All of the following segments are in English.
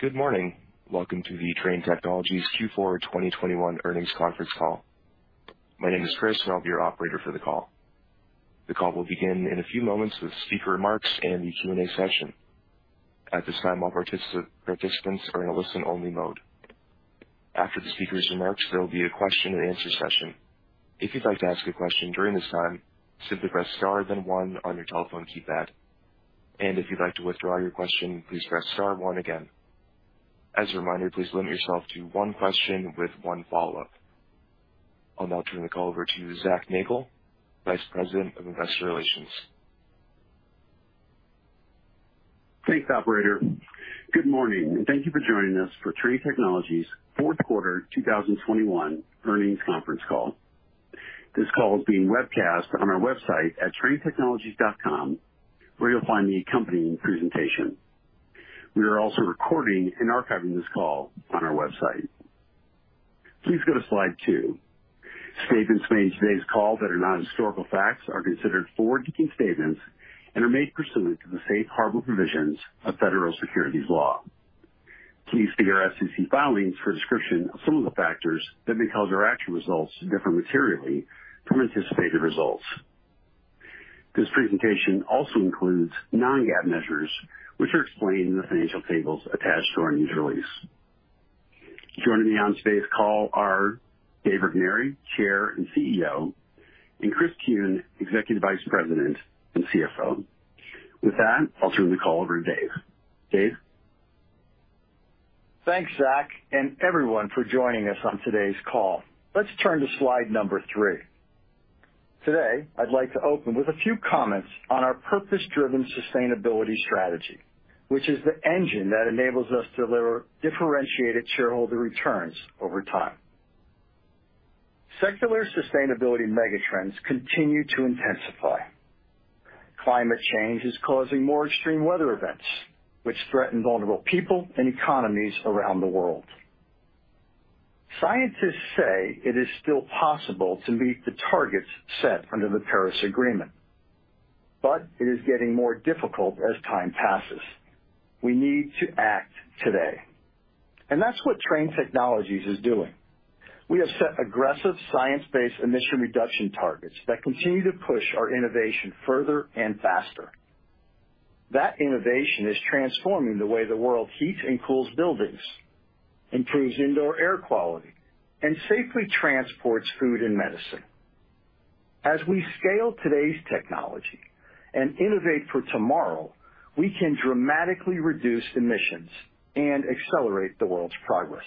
Good morning. Welcome to the Trane Technologies Q4 2021 earnings conference call. My name is Chris, and I'll be your operator for the call. The call will begin in a few moments with speaker remarks and the Q&A session. At this time, all participants are in a listen-only mode. After the speaker's remarks, there will be a question-and-answer session. If you'd like to ask a question during this time, simply press star then one on your telephone keypad. If you'd like to withdraw your question, please press star one again. As a reminder, please limit yourself to one question with one follow-up. I'll now turn the call over to Zac Nagle, Vice President of Investor Relations. Thanks, operator. Good morning, and thank you for joining us for Trane Technologies fourth quarter 2021 earnings conference call. This call is being webcast on our website at tranetechnologies.com, where you'll find the accompanying presentation. We are also recording and archiving this call on our website. Please go to slide two. Statements made in today's call that are not historical facts are considered forward-looking statements and are made pursuant to the safe harbor provisions of federal securities law. Please see our SEC filings for a description of some of the factors that may cause our actual results to differ materially from anticipated results. This presentation also includes non-GAAP measures, which are explained in the financial tables attached to our news release. Joining me on today's call are Dave Regnery, Chair and CEO, and Chris Kuehn, Executive Vice President and CFO. With that, I'll turn the call over to Dave. Dave? Thanks, Zac, and everyone for joining us on today's call. Let's turn to slide number three. Today, I'd like to open with a few comments on our purpose-driven sustainability strategy, which is the engine that enables us to deliver differentiated shareholder returns over time. Secular sustainability megatrends continue to intensify. Climate change is causing more extreme weather events, which threaten vulnerable people and economies around the world. Scientists say it is still possible to meet the targets set under the Paris Agreement, but it is getting more difficult as time passes. We need to act today, and that's what Trane Technologies is doing. We have set aggressive science-based emission reduction targets that continue to push our innovation further and faster. That innovation is transforming the way the world heats and cools buildings, improves indoor air quality, and safely transports food and medicine. As we scale today's technology and innovate for tomorrow, we can dramatically reduce emissions and accelerate the world's progress.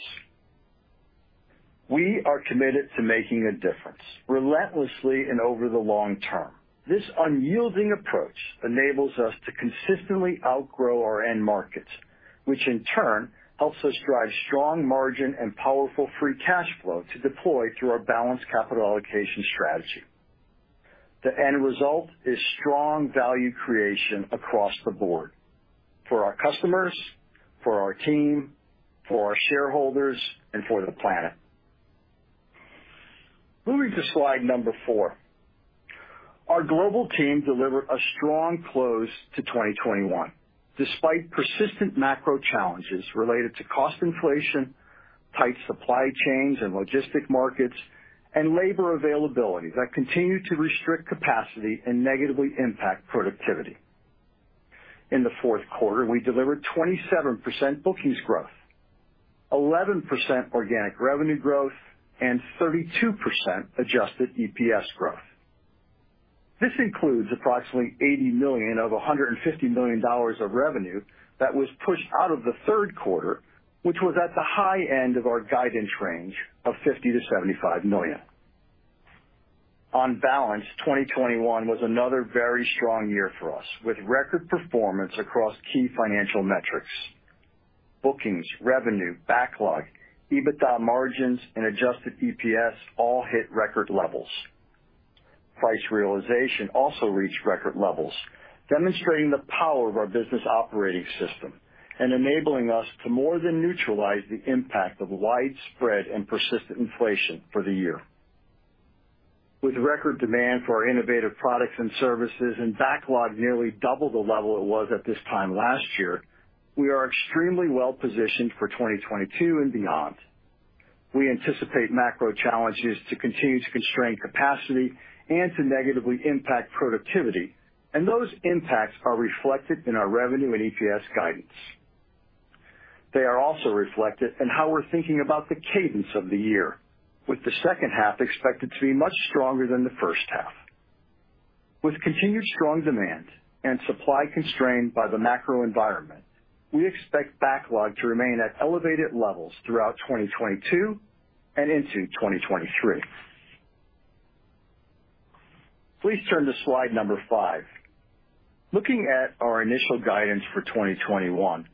We are committed to making a difference relentlessly and over the long term. This unyielding approach enables us to consistently outgrow our end markets, which in turn helps us drive strong margin and powerful free cash flow to deploy through our balanced capital allocation strategy. The end result is strong value creation across the board for our customers, for our team, for our shareholders, and for the planet. Moving to slide number 4. Our global team delivered a strong close to 2021, despite persistent macro challenges related to cost inflation, tight supply chains and logistics markets, and labor availability that continue to restrict capacity and negatively impact productivity. In the fourth quarter, we delivered 27% bookings growth, 11% organic revenue growth, and 32% adjusted EPS growth. This includes approximately $80 million of $150 million of revenue that was pushed out of the third quarter, which was at the high end of our guidance range of $50 million-$75 million. On balance, 2021 was another very strong year for us, with record performance across key financial metrics. Bookings, revenue, backlog, EBITDA margins, and adjusted EPS all hit record levels. Price realization also reached record levels, demonstrating the power of our business operating system and enabling us to more than neutralize the impact of widespread and persistent inflation for the year. With record demand for our innovative products and services and backlog nearly double the level it was at this time last year, we are extremely well positioned for 2022 and beyond. We anticipate macro challenges to continue to constrain capacity and to negatively impact productivity, and those impacts are reflected in our revenue and EPS guidance. They are also reflected in how we're thinking about the cadence of the year, with the second half expected to be much stronger than the first half. With continued strong demand and supply constrained by the macro environment, we expect backlog to remain at elevated levels throughout 2022 and into 2023. Please turn to slide five. Looking at our initial guidance for 2021,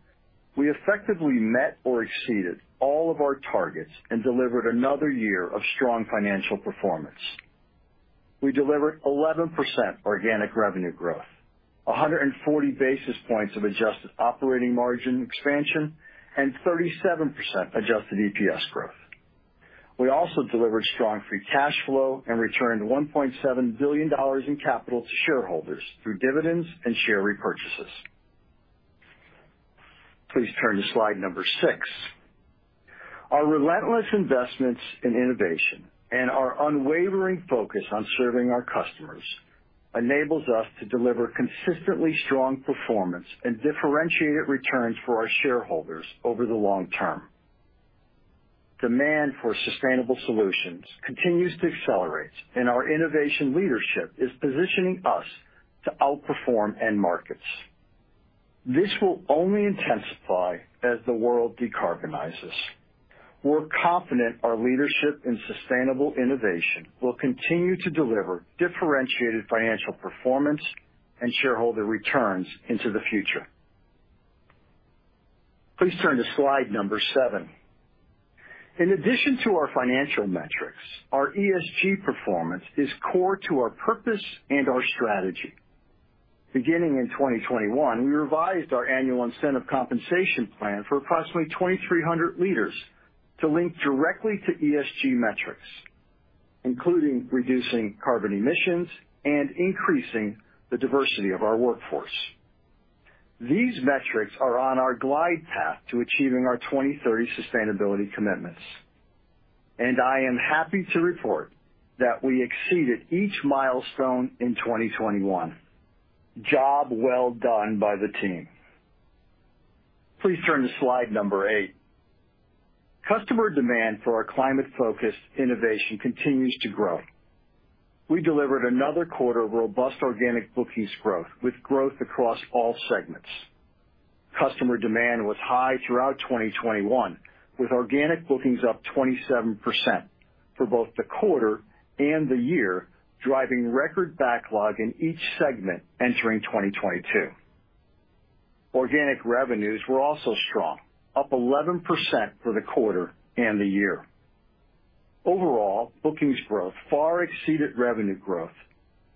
we effectively met or exceeded all of our targets and delivered another year of strong financial performance. We delivered 11% organic revenue growth, 140 basis points of adjusted operating margin expansion, and 37% adjusted EPS growth. We also delivered strong free cash flow and returned $1.7 billion in capital to shareholders through dividends and share repurchases. Please turn to slide six. Our relentless investments in innovation and our unwavering focus on serving our customers enables us to deliver consistently strong performance and differentiated returns for our shareholders over the long term. Demand for sustainable solutions continues to accelerate, and our innovation leadership is positioning us to outperform end markets. This will only intensify as the world decarbonizes. We're confident our leadership in sustainable innovation will continue to deliver differentiated financial performance and shareholder returns into the future. Please turn to slide seven. In addition to our financial metrics, our ESG performance is core to our purpose and our strategy. Beginning in 2021, we revised our annual incentive compensation plan for approximately 2,300 leaders to link directly to ESG metrics, including reducing carbon emissions and increasing the diversity of our workforce. These metrics are on our glide path to achieving our 2030 sustainability commitments, and I am happy to report that we exceeded each milestone in 2021. Job well done by the team. Please turn to slide number eight. Customer demand for our climate-focused innovation continues to grow. We delivered another quarter of robust organic bookings growth with growth across all segments. Customer demand was high throughout 2021, with organic bookings up 27% for both the quarter and the year, driving record backlog in each segment entering 2022. Organic revenues were also strong, up 11% for the quarter and the year. Overall, bookings growth far exceeded revenue growth,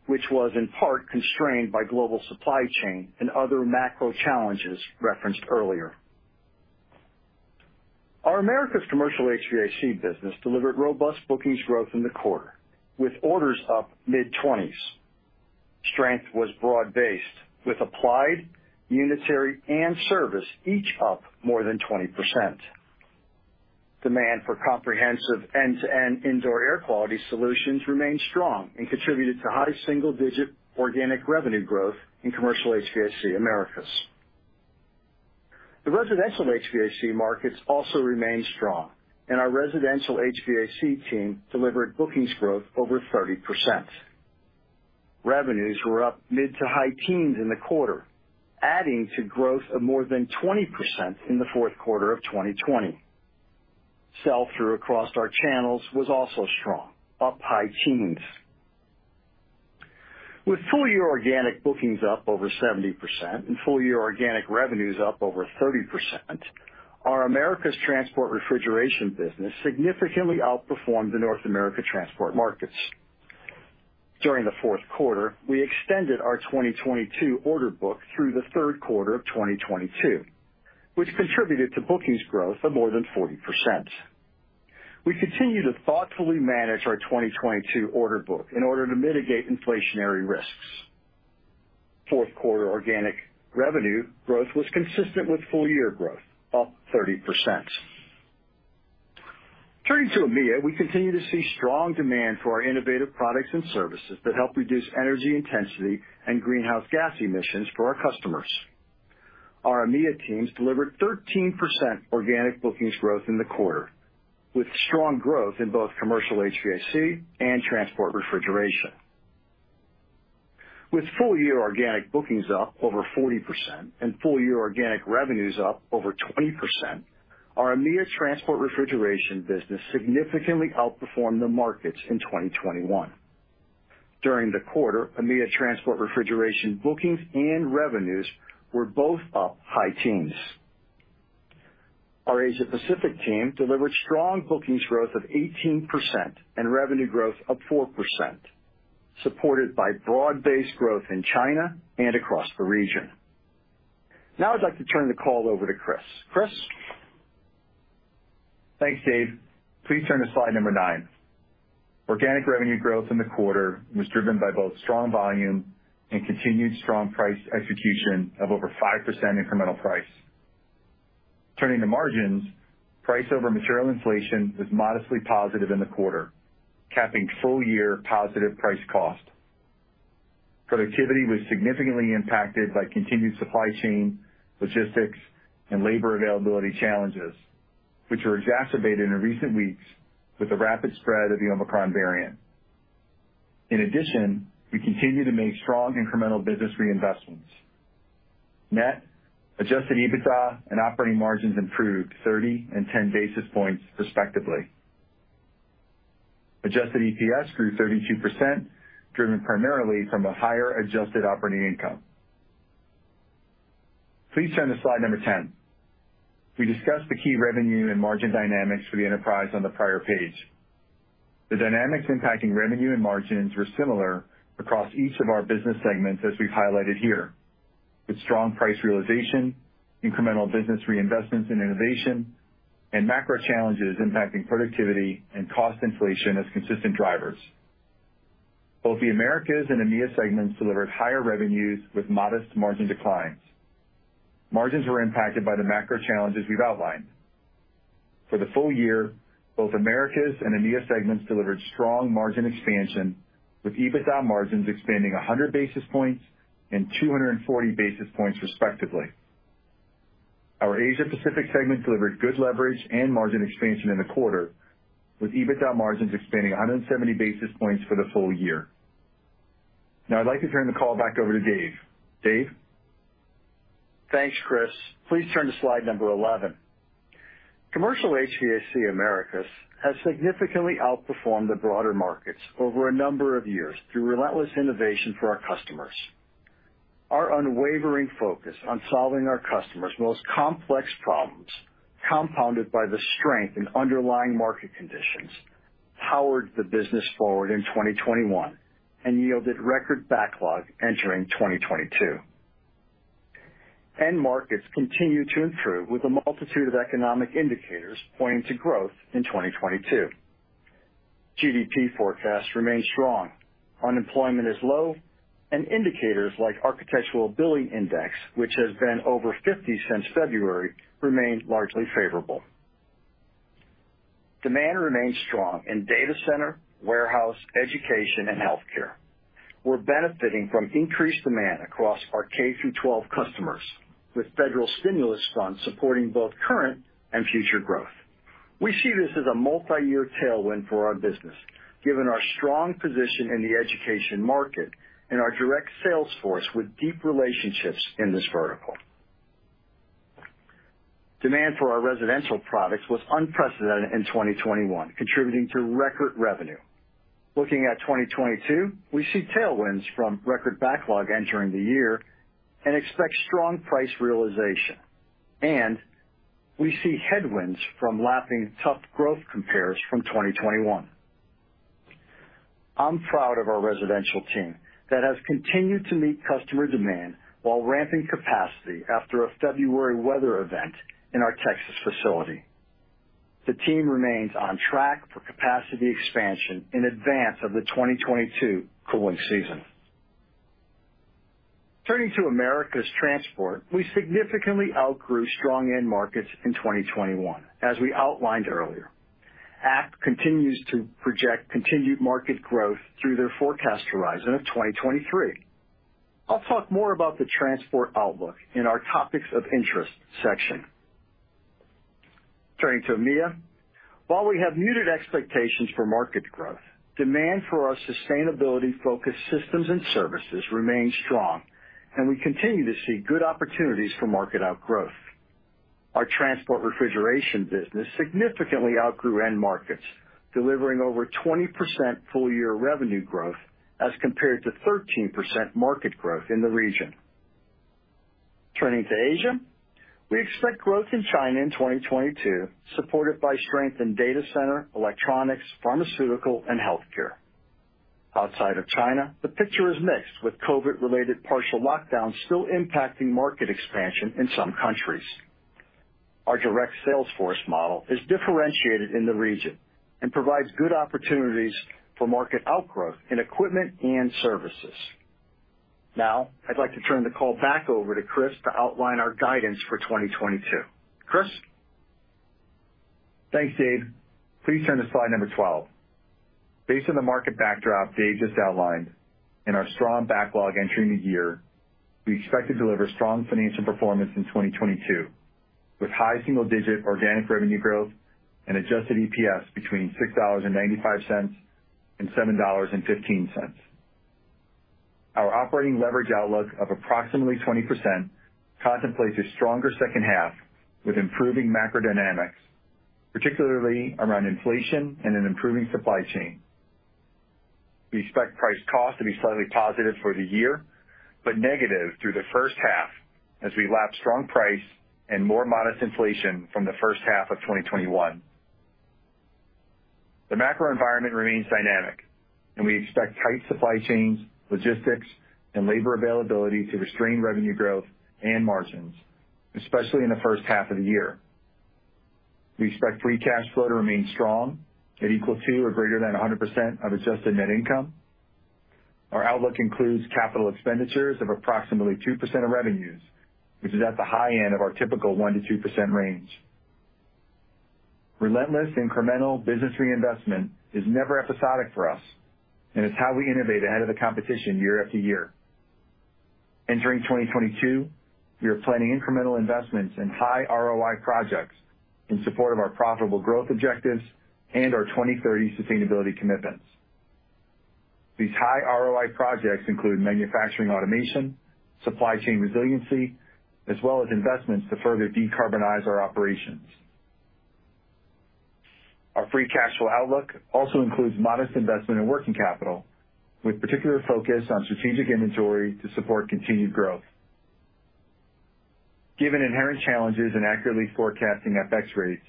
which was in part constrained by global supply chain and other macro challenges referenced earlier. Our Americas Commercial HVAC business delivered robust bookings growth in the quarter, with orders up mid-20s. Strength was broad-based, with applied, unitary, and service each up more than 20%. Demand for comprehensive end-to-end indoor air quality solutions remained strong and contributed to high single-digit% organic revenue growth in commercial HVAC Americas. The residential HVAC markets also remained strong, and our residential HVAC team delivered bookings growth over 30%. Revenues were up mid- to high teens in the quarter, adding to growth of more than 20% in the fourth quarter of 2020. Sell-through across our channels was also strong, up high teens. With full-year organic bookings up over 70% and full-year organic revenues up over 30%, our Americas Transport Refrigeration business significantly outperformed the North America transport markets. During the fourth quarter, we extended our 2022 order book through the third quarter of 2022, which contributed to bookings growth of more than 40%. We continue to thoughtfully manage our 2022 order book in order to mitigate inflationary risks. Fourth quarter organic revenue growth was consistent with full year growth, up 30%. Turning to EMEA, we continue to see strong demand for our innovative products and services that help reduce energy intensity and greenhouse gas emissions for our customers. Our EMEA teams delivered 13% organic bookings growth in the quarter, with strong growth in both commercial HVAC and transport refrigeration. With full year organic bookings up over 40% and full year organic revenues up over 20%, our EMEA Transport Refrigeration business significantly outperformed the markets in 2021. During the quarter, EMEA Transport Refrigeration bookings and revenues were both up high teens. Our Asia Pacific team delivered strong bookings growth of 18% and revenue growth of 4%, supported by broad-based growth in China and across the region. Now I'd like to turn the call over to Chris. Chris? Thanks, Dave. Please turn to slide nine. Organic revenue growth in the quarter was driven by both strong volume and continued strong price execution of over 5% incremental price. Turning to margins, price over material inflation was modestly positive in the quarter, capping full year positive price cost. Productivity was significantly impacted by continued supply chain, logistics, and labor availability challenges, which were exacerbated in recent weeks with the rapid spread of the Omicron variant. In addition, we continue to make strong incremental business reinvestments. Net adjusted EBITDA and operating margins improved 30 and 10 basis points respectively. Adjusted EPS grew 32%, driven primarily from a higher adjusted operating income. Please turn to slide 10. We discussed the key revenue and margin dynamics for the enterprise on the prior page. The dynamics impacting revenue and margins were similar across each of our business segments as we've highlighted here. With strong price realization, incremental business reinvestments in innovation, and macro challenges impacting productivity and cost inflation as consistent drivers. Both the Americas and EMEA segments delivered higher revenues with modest margin declines. Margins were impacted by the macro challenges we've outlined. For the full year, both Americas and EMEA segments delivered strong margin expansion, with EBITDA margins expanding 100 basis points and 240 basis points respectively. Our Asia Pacific segment delivered good leverage and margin expansion in the quarter, with EBITDA margins expanding 170 basis points for the full year. Now I'd like to turn the call back over to Dave. Dave? Thanks, Chris. Please turn to slide number 11. Commercial HVAC Americas has significantly outperformed the broader markets over a number of years through relentless innovation for our customers. Our unwavering focus on solving our customers' most complex problems, compounded by the strength in underlying market conditions, powered the business forward in 2021 and yielded record backlog entering 2022. End markets continue to improve with a multitude of economic indicators pointing to growth in 2022. GDP forecasts remain strong, unemployment is low, and indicators like Architectural Billing Index, which has been over 50 since February, remain largely favorable. Demand remains strong in data center, warehouse, education and healthcare. We're benefiting from increased demand across our K-12 customers, with federal stimulus funds supporting both current and future growth. We see this as a multi-year tailwind for our business, given our strong position in the education market and our direct sales force with deep relationships in this vertical. Demand for our residential products was unprecedented in 2021, contributing to record revenue. Looking at 2022, we see tailwinds from record backlog entering the year and expect strong price realization. We see headwinds from lapping tough growth compares from 2021. I'm proud of our residential team that has continued to meet customer demand while ramping capacity after a February weather event in our Texas facility. The team remains on track for capacity expansion in advance of the 2022 cooling season. Turning to Americas Transport, we significantly outgrew strong end markets in 2021, as we outlined earlier. ACT continues to project continued market growth through their forecast horizon of 2023. I'll talk more about the transport outlook in our topics of interest section. Turning to EMEA. While we have muted expectations for market growth, demand for our sustainability-focused systems and services remains strong, and we continue to see good opportunities for market outgrowth. Our transport refrigeration business significantly outgrew end markets, delivering over 20% full-year revenue growth as compared to 13% market growth in the region. Turning to Asia. We expect growth in China in 2022, supported by strength in data center, electronics, pharmaceutical, and healthcare. Outside of China, the picture is mixed, with COVID-related partial lockdowns still impacting market expansion in some countries. Our direct sales force model is differentiated in the region and provides good opportunities for market outgrowth in equipment and services. Now, I'd like to turn the call back over to Chris to outline our guidance for 2022. Chris? Thanks, Dave. Please turn to slide number 12. Based on the market backdrop Dave just outlined and our strong backlog entering the year, we expect to deliver strong financial performance in 2022, with high single-digit organic revenue growth and adjusted EPS between $6.95 and $7.15. Our operating leverage outlook of approximately 20% contemplates a stronger second half with improving macro dynamics, particularly around inflation and an improving supply chain. We expect price cost to be slightly positive for the year, but negative through the first half as we lap strong price and more modest inflation from the first half of 2021. The macro environment remains dynamic, and we expect tight supply chains, logistics, and labor availability to restrain revenue growth and margins, especially in the first half of the year. We expect free cash flow to remain strong at equal to or greater than 100% of adjusted net income. Our outlook includes capital expenditures of approximately 2% of revenues, which is at the high end of our typical 1%-2% range. Relentless incremental business reinvestment is never episodic for us, and it's how we innovate ahead of the competition year after year. Entering 2022, we are planning incremental investments in high ROI projects in support of our profitable growth objectives and our 2030 sustainability commitments. These high ROI projects include manufacturing automation, supply chain resiliency, as well as investments to further decarbonize our operations. Our free cash flow outlook also includes modest investment in working capital, with particular focus on strategic inventory to support continued growth. Given inherent challenges in accurately forecasting FX rates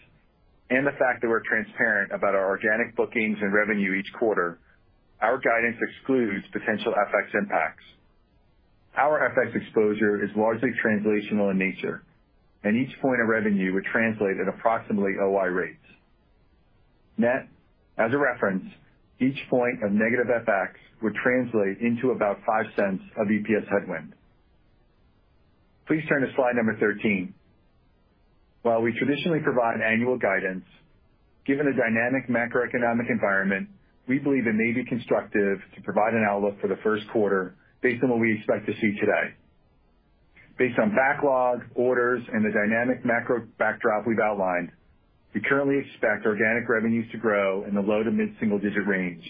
and the fact that we're transparent about our organic bookings and revenue each quarter, our guidance excludes potential FX impacts. Our FX exposure is largely translational in nature, and each point of revenue would translate at approximately OI rates. Net, as a reference, each point of negative FX would translate into about $0.05 of EPS headwind. Please turn to slide number 13. While we traditionally provide annual guidance, given the dynamic macroeconomic environment, we believe it may be constructive to provide an outlook for the first quarter based on what we expect to see today. Based on backlog, orders, and the dynamic macro backdrop we've outlined, we currently expect organic revenues to grow in the low- to mid-single-digit range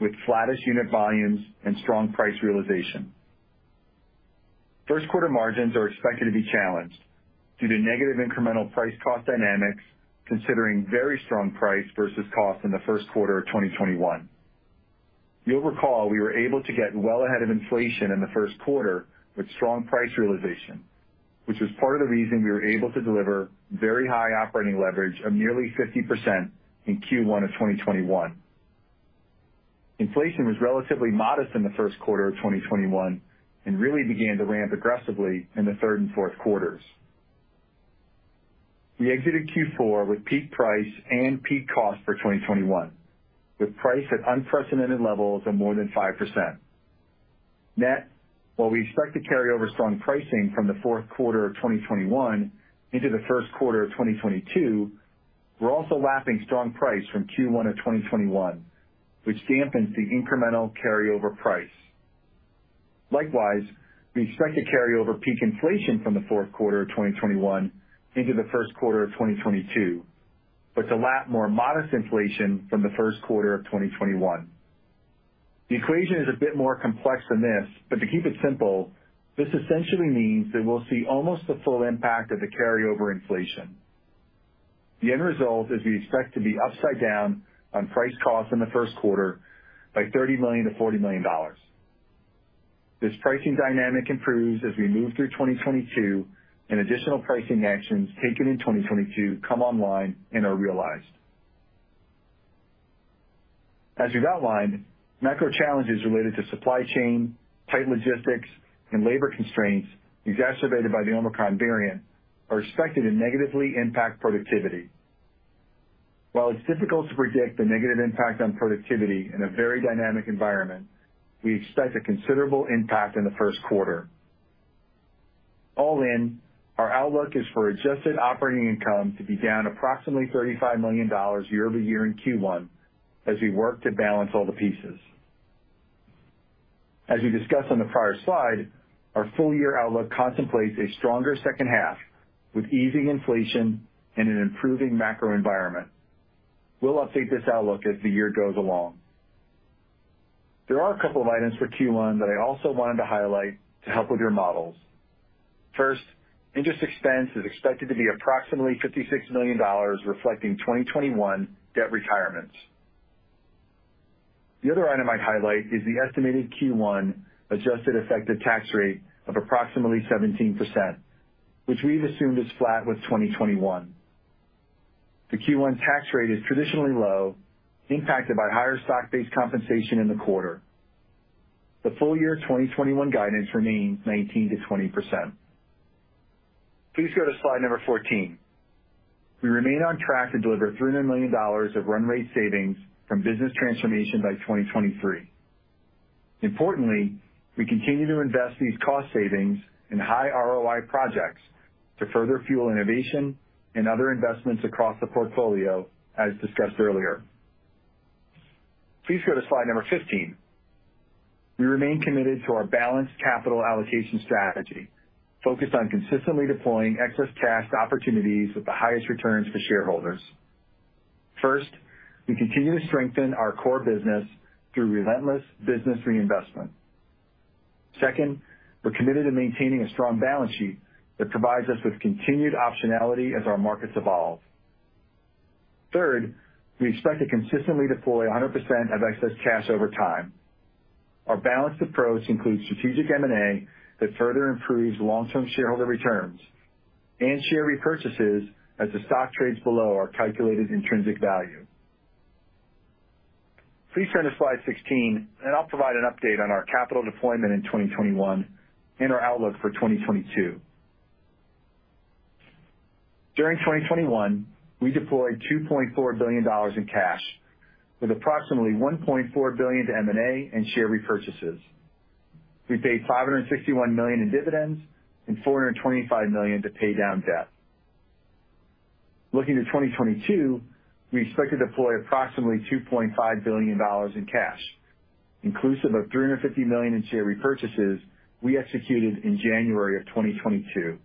with flattish unit volumes and strong price realization. First quarter margins are expected to be challenged due to negative incremental price-cost dynamics, considering very strong price versus cost in the first quarter of 2021. You'll recall, we were able to get well ahead of inflation in the first quarter with strong price realization, which is part of the reason we were able to deliver very high operating leverage of nearly 50% in Q1 of 2021. Inflation was relatively modest in the first quarter of 2021 and really began to ramp aggressively in the third and fourth quarters. We exited Q4 with peak price and peak cost for 2021, with price at unprecedented levels of more than 5%. Net, while we expect to carry over strong pricing from the fourth quarter of 2021 into the first quarter of 2022, we're also lapping strong price from Q1 of 2021, which dampens the incremental carryover price. Likewise, we expect to carry over peak inflation from the fourth quarter of 2021 into the first quarter of 2022, but to lap more modest inflation from the first quarter of 2021. The equation is a bit more complex than this, but to keep it simple, this essentially means that we'll see almost the full impact of the carryover inflation. The end result is we expect to be upside down on price cost in the first quarter by $30 million-$40 million. This pricing dynamic improves as we move through 2022 and additional pricing actions taken in 2022 come online and are realized. As we've outlined, macro challenges related to supply chain, tight logistics, and labor constraints exacerbated by the Omicron variant are expected to negatively impact productivity. While it's difficult to predict the negative impact on productivity in a very dynamic environment, we expect a considerable impact in the first quarter. All in, our outlook is for adjusted operating income to be down approximately $35 million year-over-year in Q1 as we work to balance all the pieces. As we discussed on the prior slide, our full year outlook contemplates a stronger second half with easing inflation and an improving macro environment. We'll update this outlook as the year goes along. There are a couple of items for Q1 that I also wanted to highlight to help with your models. First, interest expense is expected to be approximately $56 million, reflecting 2021 debt retirements. The other item I'd highlight is the estimated Q1 adjusted effective tax rate of approximately 17%, which we've assumed is flat with 2021. The Q1 tax rate is traditionally low, impacted by higher stock-based compensation in the quarter. The full year 2021 guidance remains 19%-20%. Please go to slide 14. We remain on track to deliver $300 million of run rate savings from business transformation by 2023. Importantly, we continue to invest these cost savings in high ROI projects to further fuel innovation and other investments across the portfolio as discussed earlier. Please go to slide 15. We remain committed to our balanced capital allocation strategy, focused on consistently deploying excess cash opportunities with the highest returns for shareholders. First, we continue to strengthen our core business through relentless business reinvestment. Second, we're committed to maintaining a strong balance sheet that provides us with continued optionality as our markets evolve. Third, we expect to consistently deploy 100% of excess cash over time. Our balanced approach includes strategic M&A that further improves long-term shareholder returns and share repurchases as the stock trades below our calculated intrinsic value. Please turn to slide 16 and I'll provide an update on our capital deployment in 2021 and our outlook for 2022. During 2021, we deployed $2.4 billion in cash, with approximately $1.4 billion to M&A and share repurchases. We paid $561 million in dividends and $425 million to pay down debt. Looking to 2022, we expect to deploy approximately $2.5 billion in cash, inclusive of $350 million in share repurchases we executed in January of 2022.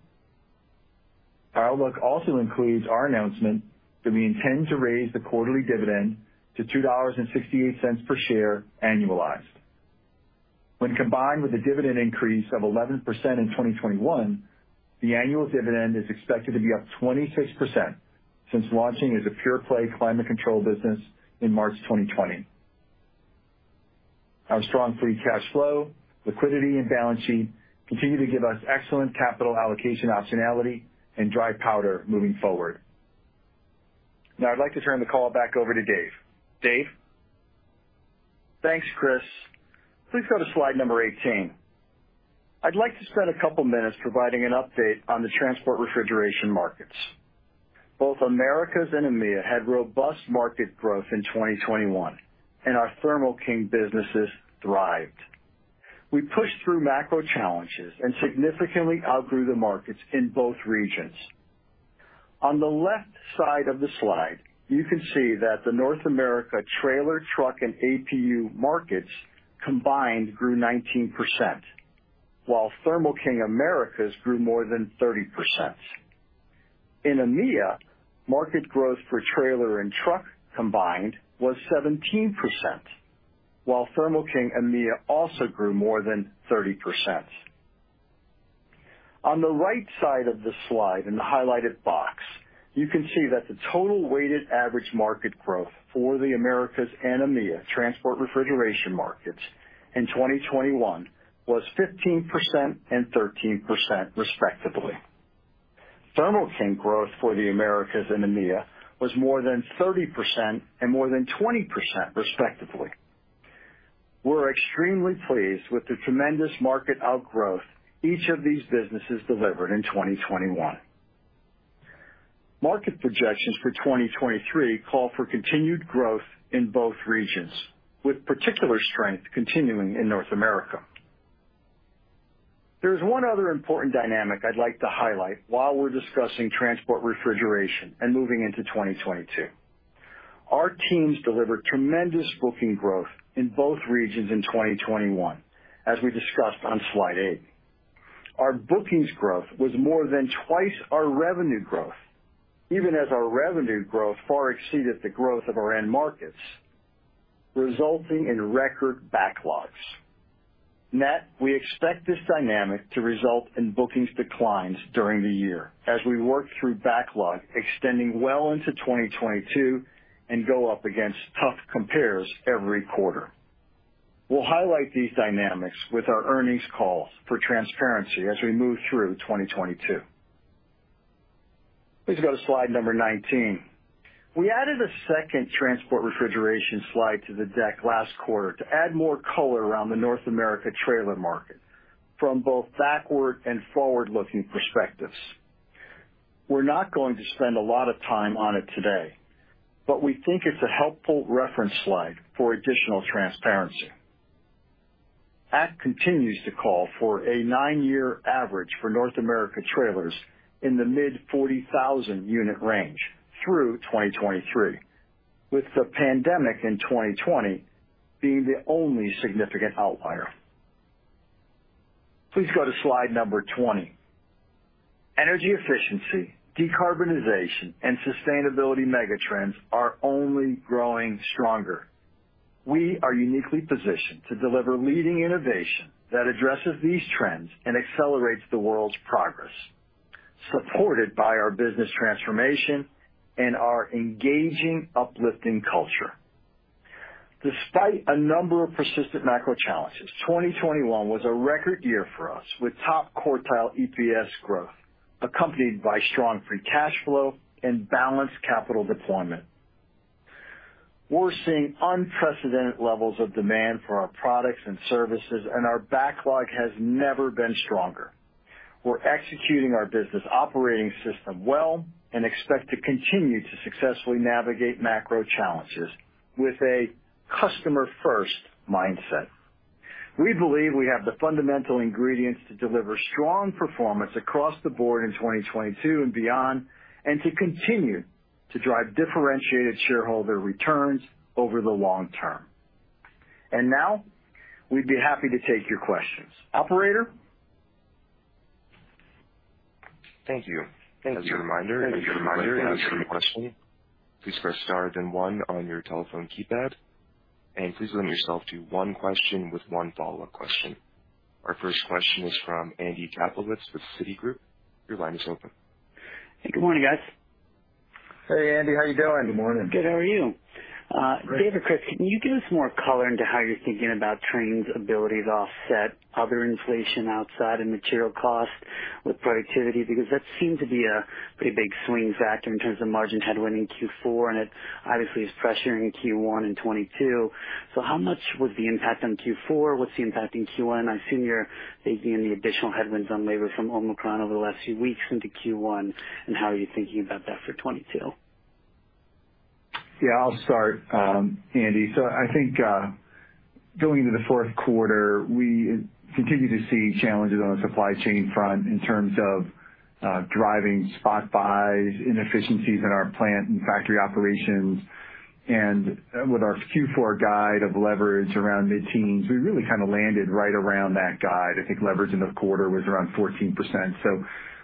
Our outlook also includes our announcement that we intend to raise the quarterly dividend to $2.68 per share annualized. When combined with a dividend increase of 11% in 2021, the annual dividend is expected to be up 26% since launching as a pure play climate control business in March 2020. Our strong free cash flow, liquidity and balance sheet continue to give us excellent capital allocation optionality and dry powder moving forward. Now I'd like to turn the call back over to Dave. Dave? Thanks, Chris. Please go to slide number 18. I'd like to spend a couple minutes providing an update on the transport refrigeration markets. Both Americas and EMEA had robust market growth in 2021, and our Thermo King businesses thrived. We pushed through macro challenges and significantly outgrew the markets in both regions. On the left side of the slide, you can see that the North America trailer truck and APU markets combined grew 19%, while Thermo King Americas grew more than 30%. In EMEA, market growth for trailer and truck combined was 17%, while Thermo King EMEA also grew more than 30%. On the right side of the slide in the highlighted box, you can see that the total weighted average market growth for the Americas and EMEA transport refrigeration markets in 2021 was 15% and 13%, respectively. Thermo King growth for the Americas and EMEA was more than 30% and more than 20%, respectively. We're extremely pleased with the tremendous market outgrowth each of these businesses delivered in 2021. Market projections for 2023 call for continued growth in both regions, with particular strength continuing in North America. There's one other important dynamic I'd like to highlight while we're discussing transport refrigeration and moving into 2022. Our teams delivered tremendous booking growth in both regions in 2021, as we discussed on slide 8. Our bookings growth was more than twice our revenue growth, even as our revenue growth far exceeded the growth of our end markets, resulting in record backlogs. Net, we expect this dynamic to result in bookings declines during the year as we work through backlog extending well into 2022 and go up against tough compares every quarter. We'll highlight these dynamics with our earnings calls for transparency as we move through 2022. Please go to slide 19. We added a second transport refrigeration slide to the deck last quarter to add more color around the North America trailer market from both backward and forward-looking perspectives. We're not going to spend a lot of time on it today, but we think it's a helpful reference slide for additional transparency. ACT continues to call for a nine-year average for North America trailers in the mid-40,000 unit range through 2023, with the pandemic in 2020 being the only significant outlier. Please go to slide 20. Energy efficiency, decarbonization, and sustainability megatrends are only growing stronger. We are uniquely positioned to deliver leading innovation that addresses these trends and accelerates the world's progress, supported by our business transformation and our engaging, uplifting culture. Despite a number of persistent macro challenges, 2021 was a record year for us, with top quartile EPS growth, accompanied by strong free cash flow and balanced capital deployment. We're seeing unprecedented levels of demand for our products and services, and our backlog has never been stronger. We're executing our business operating system well and expect to continue to successfully navigate macro challenges with a customer-first mindset. We believe we have the fundamental ingredients to deliver strong performance across the board in 2022 and beyond, and to continue to drive differentiated shareholder returns over the long term. Now we'd be happy to take your questions. Operator? Thank you. As a reminder, if you'd like to ask a question, please press star then one on your telephone keypad, and please limit yourself to one question with one follow-up question. Our first question is from Andy Kaplowitz with Citigroup. Your line is open. Hey, good morning, guys. Hey, Andy, how you doing? Good morning. Good. How are you? Dave or Chris, can you give us more color into how you're thinking about Trane's ability to offset other inflation outside of material costs with productivity? Because that seemed to be a pretty big swing factor in terms of margin headwind in Q4, and it obviously is pressuring Q1 in 2022. How much was the impact on Q4? What's the impact in Q1? I've seen you're taking the additional headwinds on labor from Omicron over the last few weeks into Q1, and how are you thinking about that for 2022? Yeah, I'll start, Andy. I think, going into the fourth quarter, we continue to see challenges on the supply chain front in terms of driving spot buys, inefficiencies in our plant and factory operations. With our Q4 guide of leverage around mid-teens, we really kind of landed right around that guide. I think leverage in the quarter was around 14%.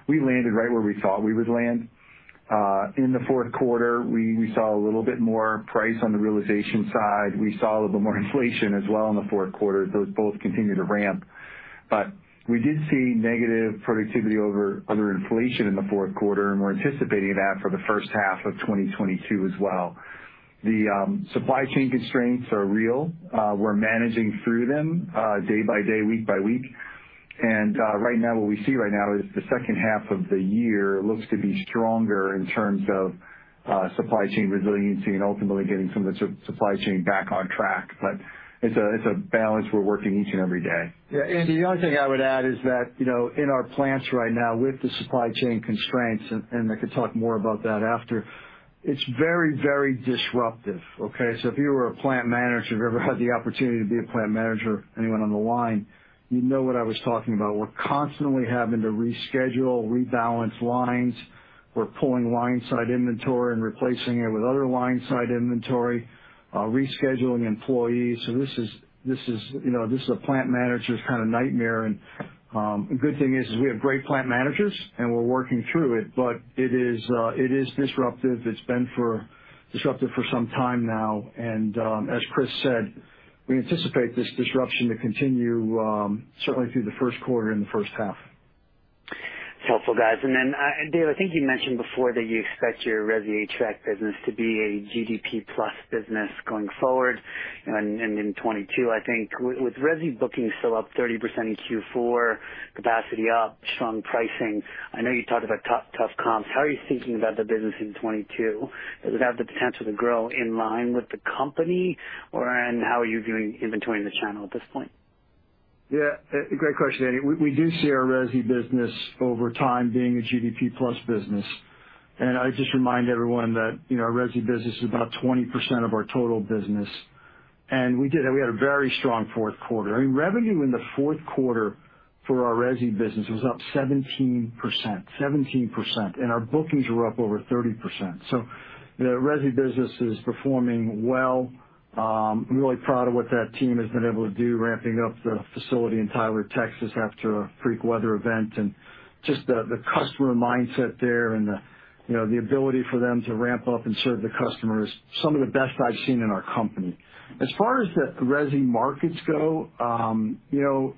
We landed right where we thought we would land. In the fourth quarter, we saw a little bit more price on the realization side. We saw a little more inflation as well in the fourth quarter. Those both continue to ramp. We did see negative productivity over other inflation in the fourth quarter, and we're anticipating that for the first half of 2022 as well. The supply chain constraints are real. We're managing through them day by day, week by week. Right now what we see right now is the second half of the year looks to be stronger in terms of supply chain resiliency and ultimately getting some of the supply chain back on track. It's a balance we're working each and every day. Andy, the only thing I would add is that, you know, in our plants right now with the supply chain constraints, and I could talk more about that after, it's very, very disruptive, okay? If you were a plant manager, if you've ever had the opportunity to be a plant manager, anyone on the line, you'd know what I was talking about. We're constantly having to reschedule, rebalance lines. We're pulling line side inventory and replacing it with other line side inventory, rescheduling employees. This is, you know, a plant manager's kind of nightmare. A good thing is we have great plant managers, and we're working through it, but it is disruptive. It's been disruptive for some time now. As Chris said, we anticipate this disruption to continue, certainly through the first quarter and the first half. It's helpful, guys. Then, Dave, I think you mentioned before that you expect your resi HVAC business to be a GDP plus business going forward and in 2022, I think. With resi bookings still up 30% in Q4, capacity up, strong pricing. I know you talked about tough comps. How are you thinking about the business in 2022? Does it have the potential to grow in line with the company? Or how are you viewing inventory in the channel at this point? Yeah, a great question, Andy. We do see our resi business over time being a GDP plus business. I just remind everyone that, you know, our resi business is about 20% of our total business. We had a very strong fourth quarter. I mean, revenue in the fourth quarter for our resi business was up 17%. And our bookings were up over 30%. The resi business is performing well. I'm really proud of what that team has been able to do ramping up the facility in Tyler, Texas, after a freak weather event, and just the customer mindset there and the, you know, the ability for them to ramp up and serve the customers, some of the best I've seen in our company. As far as the resi markets go, you know,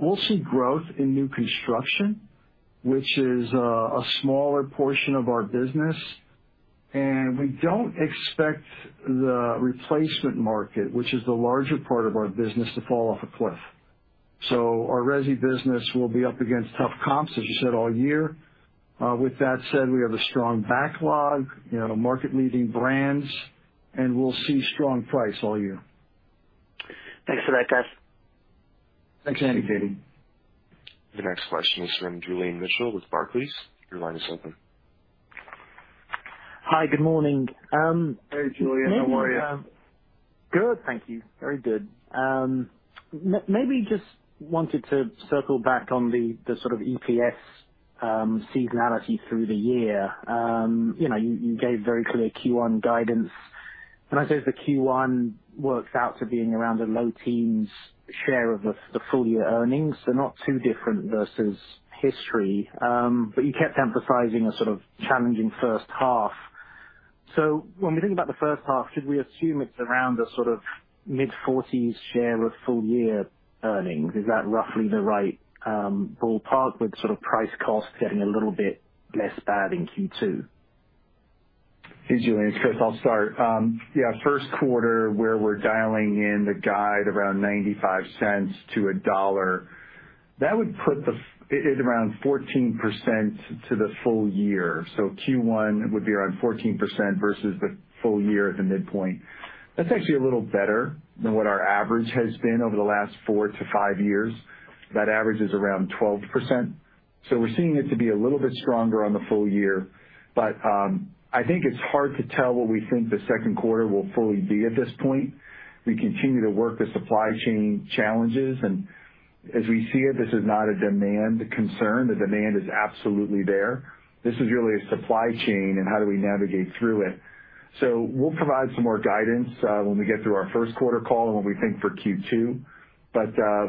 we'll see growth in new construction, which is a smaller portion of our business. We don't expect the replacement market, which is the larger part of our business, to fall off a cliff. Our resi business will be up against tough comps, as you said, all year. With that said, we have a strong backlog, you know, the market-leading brands, and we'll see strong price all year. Thanks for that, guys. Thanks, Andy. Thanks, Andy. The next question is from Julian Mitchell with Barclays. Your line is open. Hi. Good morning. Hey, Julian. How are you? Good, thank you. Very good. Maybe just wanted to circle back on the sort of EPS seasonality through the year. You know, you gave very clear Q1 guidance, and I suppose the Q1 works out to being around the low teens share of the full year earnings, so not too different versus history. You kept emphasizing a sort of challenging first half. When we think about the first half, should we assume it's around the sort of mid-forties share of full year earnings? Is that roughly the right ballpark with sort of price cost getting a little bit less bad in Q2? Hey, Julian, it's Chris. I'll start. Yeah, first quarter where we're dialing in the guide around $0.95-$1, that would put it around 14% to the full year. Q1 would be around 14% versus the full year at the midpoint. That's actually a little better than what our average has been over the last four-five years. That average is around 12%. We're seeing it to be a little bit stronger on the full year. I think it's hard to tell what we think the second quarter will fully be at this point. We continue to work the supply chain challenges, and as we see it, this is not a demand concern. The demand is absolutely there. This is really a supply chain and how do we navigate through it. We'll provide some more guidance, when we get through our first quarter call and what we think for Q2.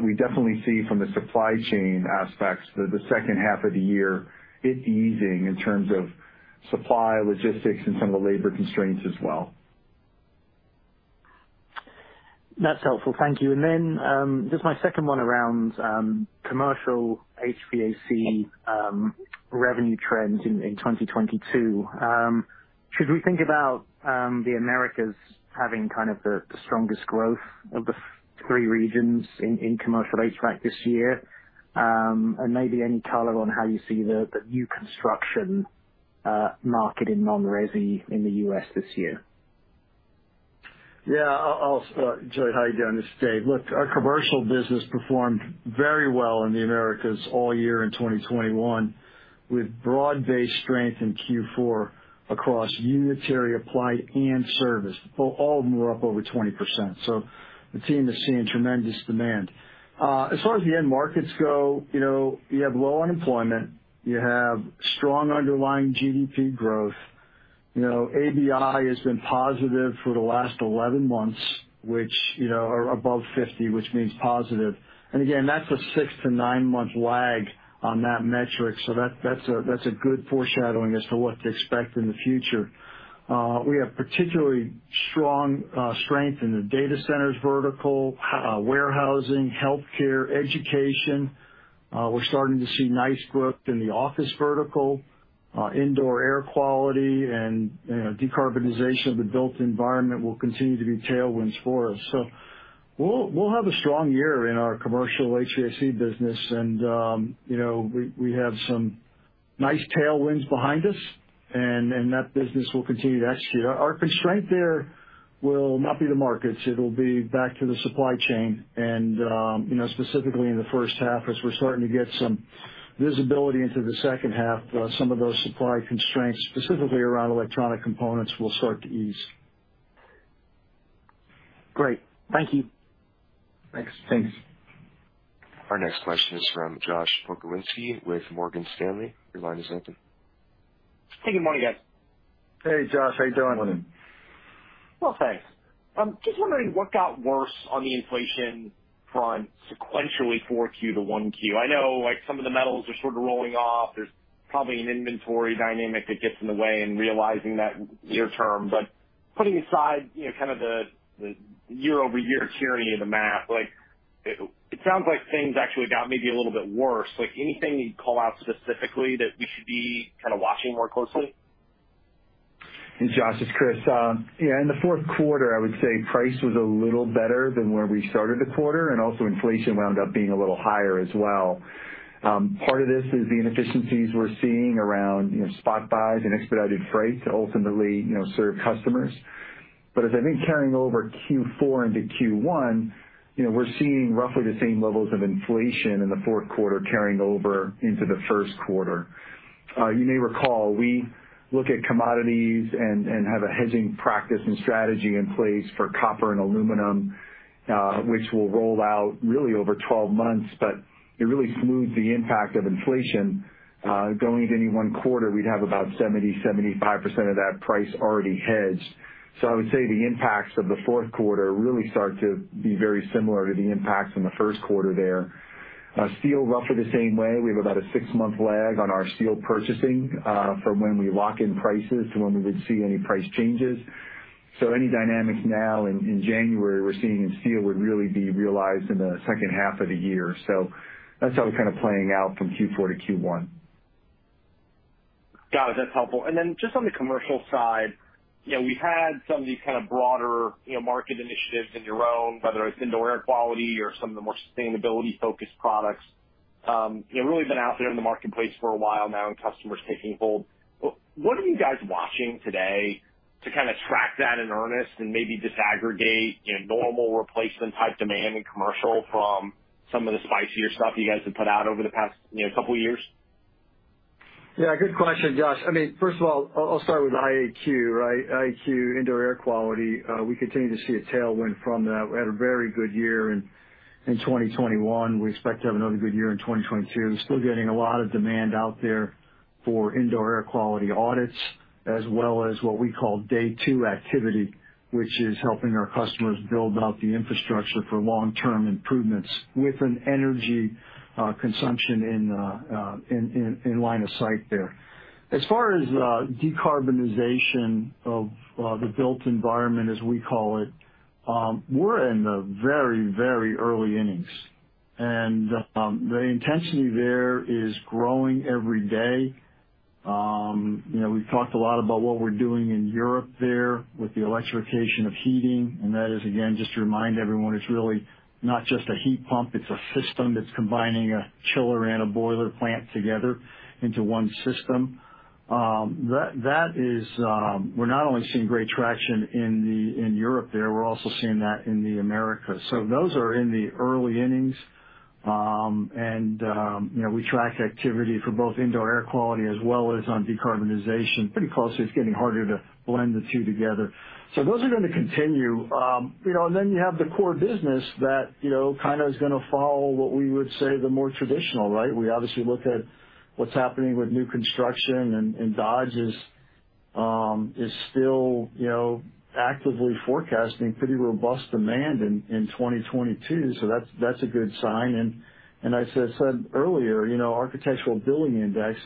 We definitely see from the supply chain aspects the second half of the year, it's easing in terms of supply, logistics, and some of the labor constraints as well. That's helpful. Thank you. Just my second one around commercial HVAC revenue trends in 2022. Should we think about the Americas having kind of the strongest growth of the three regions in commercial HVAC this year? Maybe any color on how you see the new construction market in non-resi in the U.S. this year. I'll start. Julian, how you doing? This is Dave. Look, our commercial business performed very well in the Americas all year in 2021 with broad-based strength in Q4 across unitary, applied, and service. All of them were up over 20%. The team is seeing tremendous demand. As far as the end markets go, you know, you have low unemployment, you have strong underlying GDP growth. You know, ABI has been positive for the last 11 months, which are above 50, which means positive. Again, that's a good foreshadowing as to what to expect in the future. We have particularly strong strength in the data centers vertical, warehousing, healthcare, education. We're starting to see nice growth in the office vertical. Indoor air quality and, you know, decarbonization of the built environment will continue to be tailwinds for us. We'll have a strong year in our commercial HVAC business. You know, we have some nice tailwinds behind us, and that business will continue next year. Our constraint there will not be the markets. It'll be back to the supply chain and, you know, specifically in the first half as we're starting to get some visibility into the second half, some of those supply constraints, specifically around electronic components, will start to ease. Great. Thank you. Thanks. Thanks. Our next question is from Josh Pokrzywinski with Morgan Stanley. Your line is open. Hey, good morning, guys. Hey, Josh. How you doing? Well, thanks. Just wondering what got worse on the inflation front sequentially 4Q to 1Q. I know, like, some of the metals are sort of rolling off. There's probably an inventory dynamic that gets in the way in realizing that near term. Putting aside, you know, kind of the year-over-year tyranny of the math, like it sounds like things actually got maybe a little bit worse. Like, anything you'd call out specifically that we should be kind of watching more closely? Hey, Josh, it's Chris. Yeah, in the fourth quarter, I would say price was a little better than where we started the quarter, and also inflation wound up being a little higher as well. Part of this is the inefficiencies we're seeing around, you know, spot buys and expedited freight to ultimately, you know, serve customers. As I think carrying over Q4 into Q1, you know, we're seeing roughly the same levels of inflation in the fourth quarter carrying over into the first quarter. You may recall, we look at commodities and have a hedging practice and strategy in place for copper and aluminum, which will roll out really over 12 months, but it really smooths the impact of inflation. Going to any one quarter, we'd have about 70%-75% of that price already hedged. I would say the impacts of the fourth quarter really start to be very similar to the impacts in the first quarter there, steel roughly the same way. We have about a six-month lag on our steel purchasing, from when we lock in prices to when we would see any price changes. Any dynamics now in January we're seeing in steel would really be realized in the second half of the year. That's how we're kind of playing out from Q4 to Q1. Got it. That's helpful. Then just on the commercial side, you know, we had some of these kind of broader, you know, market initiatives in your own, whether it's indoor air quality or some of the more sustainability-focused products, you know, really been out there in the marketplace for a while now, and customers taking hold. What are you guys watching today to kind of track that in earnest and maybe disaggregate, you know, normal replacement type demand in commercial from some of the spicier stuff you guys have put out over the past, you know, couple years? Yeah, good question, Josh. I mean, first of all, I'll start with IAQ, right? IAQ, indoor air quality. We continue to see a tailwind from that. We had a very good year in 2021. We expect to have another good year in 2022. Still getting a lot of demand out there for indoor air quality audits as well as what we call day two activity, which is helping our customers build out the infrastructure for long-term improvements with an energy consumption in line of sight there. As far as decarbonization of the built environment, as we call it, we're in the very, very early innings. The intensity there is growing every day. You know, we've talked a lot about what we're doing in Europe there with the electrification of heating, and that is, again, just to remind everyone, it's really not just a heat pump, it's a system that's combining a chiller and a boiler plant together into one system. We're not only seeing great traction in Europe there, we're also seeing that in the Americas. So those are in the early innings. You know, we track activity for both indoor air quality as well as on decarbonization pretty closely. It's getting harder to blend the two together. So those are gonna continue. You know, and then you have the core business that, you know, kind of is gonna follow what we would say the more traditional, right? We obviously look at what's happening with new construction. Dodge is still you know actively forecasting pretty robust demand in 2022, so that's a good sign. As I said earlier, you know, Architectural Billings Index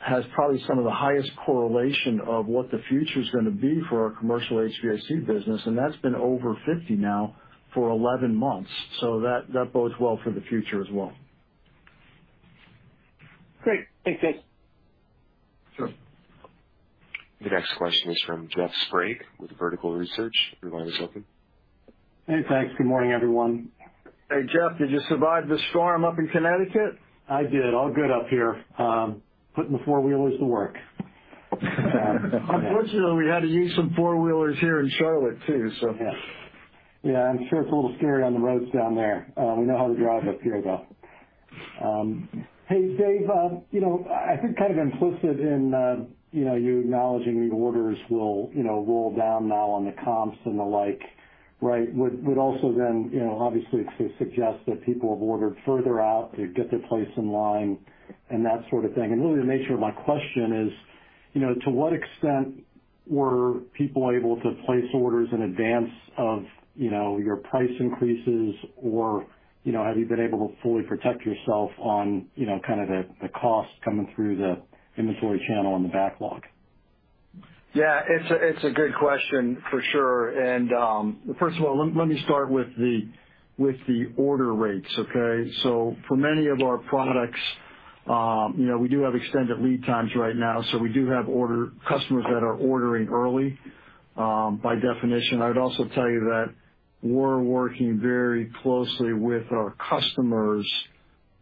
has probably some of the highest correlation of what the future's gonna be for our commercial HVAC business, and that's been over 50 now for 11 months. That bodes well for the future as well. Great. Thanks, Dave. Sure. The next question is from Jeff Sprague with Vertical Research. Your line is open. Hey, thanks. Good morning, everyone. Hey, Jeff. Did you survive the storm up in Connecticut? I did. All good up here. Putting the four-wheelers to work. Unfortunately, we had to use some four-wheelers here in Charlotte too, so. Yeah. Yeah, I'm sure it's a little scary on the roads down there. We know how to drive up here, though. Hey, Dave, you know, I think kind of implicit in, you know, you acknowledging the orders will, you know, roll down now on the comps and the like, right? Would also then, you know, obviously suggest that people have ordered further out to get their place in line and that sort of thing. Really the nature of my question is, you know, to what extent were people able to place orders in advance of, you know, your price increases or, you know, have you been able to fully protect yourself on, you know, kind of the cost coming through the inventory channel and the backlog? Yeah, it's a good question for sure. First of all, let me start with the order rates, okay? For many of our products, you know, we do have extended lead times right now, so we do have customers that are ordering early, by definition. I would also tell you that we're working very closely with our customers,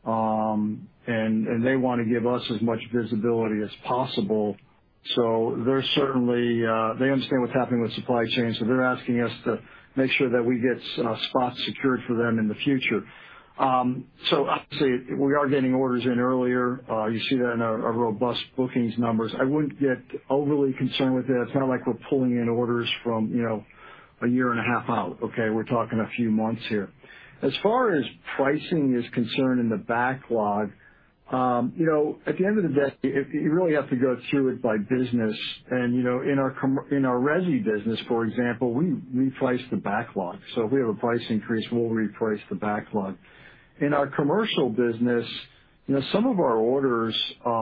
and they wanna give us as much visibility as possible. They certainly understand what's happening with supply chain, so they're asking us to make sure that we get spots secured for them in the future. Obviously we are getting orders in earlier. You see that in our robust bookings numbers. I wouldn't get overly concerned with that. It's not like we're pulling in orders from, you know, a year and a half out, okay? We're talking a few months here. As far as pricing is concerned in the backlog, you know, at the end of the day, if you really have to go through it by business and, you know, in our resi business, for example, we reprice the backlog. If we have a price increase, we'll reprice the backlog. In our commercial business, you know, some of our orders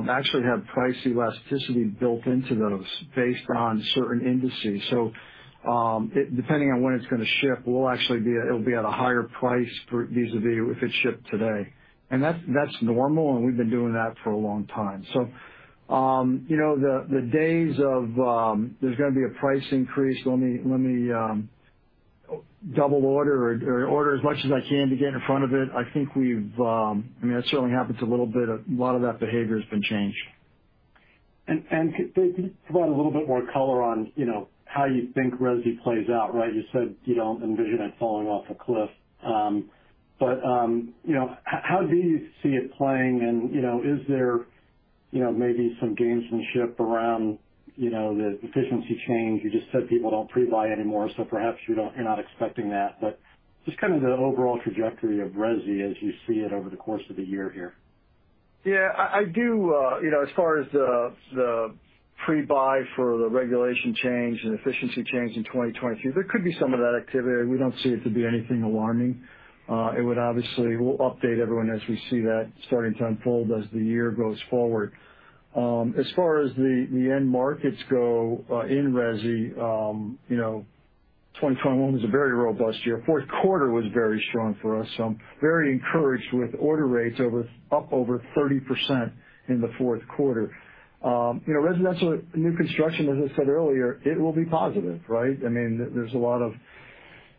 actually have price elasticity built into those based on certain indices. It depending on when it's gonna ship, we'll actually it'll be at a higher price for vis-a-vis if it's shipped today. That's normal, and we've been doing that for a long time. You know, the days of there's gonna be a price increase, let me double order or order as much as I can to get in front of it. I think we've. I mean, that certainly happens a little bit. A lot of that behavior has been changed. Dave, could you provide a little bit more color on, you know, how you think resi plays out, right? You said you don't envision it falling off a cliff. You know, how do you see it playing? You know, is there, you know, maybe some gamesmanship around, you know, the efficiency change? You just said people don't pre-buy anymore, so perhaps you're not expecting that. Just kind of the overall trajectory of resi as you see it over the course of the year here. Yeah, I do, you know, as far as the pre-buy for the regulation change and efficiency change in 2023, there could be some of that activity. We don't see it to be anything alarming. It would obviously, we'll update everyone as we see that starting to unfold as the year goes forward. As far as the end markets go, in resi, you know, 2021 was a very robust year. Fourth quarter was very strong for us. I'm very encouraged with order rates up over 30% in the fourth quarter. You know, residential new construction, as I said earlier, it will be positive, right? I mean, there's a lot of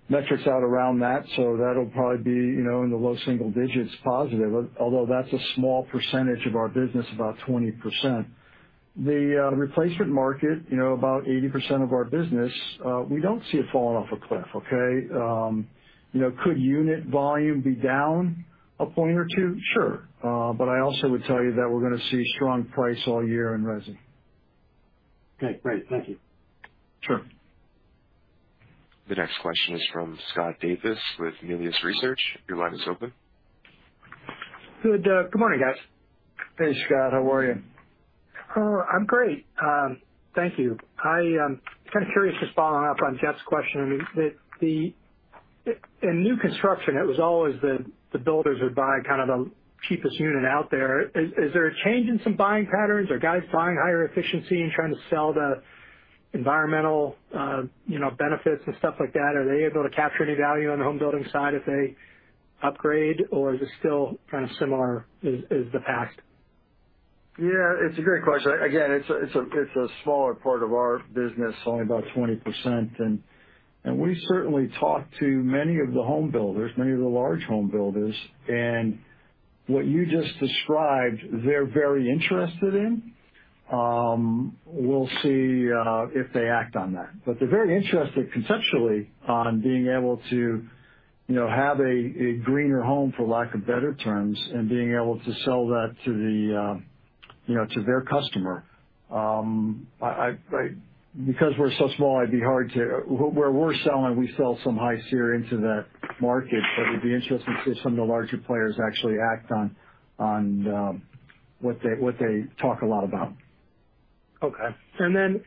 metrics out around that, so that'll probably be, you know, in the low single digits positive, although that's a small percentage of our business, about 20%. The replacement market, you know, about 80% of our business, we don't see it falling off a cliff, okay? You know, could unit volume be down a point or two? Sure. I also would tell you that we're gonna see strong price all year in resi. Okay. Great. Thank you. Sure. The next question is from Scott Davis with Melius Research. Your line is open. Good morning, guys. Hey, Scott, how are you? Oh, I'm great. Thank you. I am kind of curious, just following up on Jeff's question. I mean, in new construction, it was always the builders would buy kind of the cheapest unit out there. Is there a change in some buying patterns? Are guys buying higher efficiency and trying to sell the environmental, you know, benefits and stuff like that? Are they able to capture any value on the home building side if they upgrade, or is it still kind of similar as the past? Yeah, it's a great question. Again, it's a smaller part of our business, only about 20%. We certainly talked to many of the home builders, many of the large home builders. What you just described, they're very interested in. We'll see if they act on that. They're very interested conceptually in being able to, you know, have a greener home, for lack of better terms, and being able to sell that to the, you know, to their customer. Because we're so small. Where we're selling, we sell some high SEER into that market, but it'd be interesting to see if some of the larger players actually act on what they talk a lot about. Okay.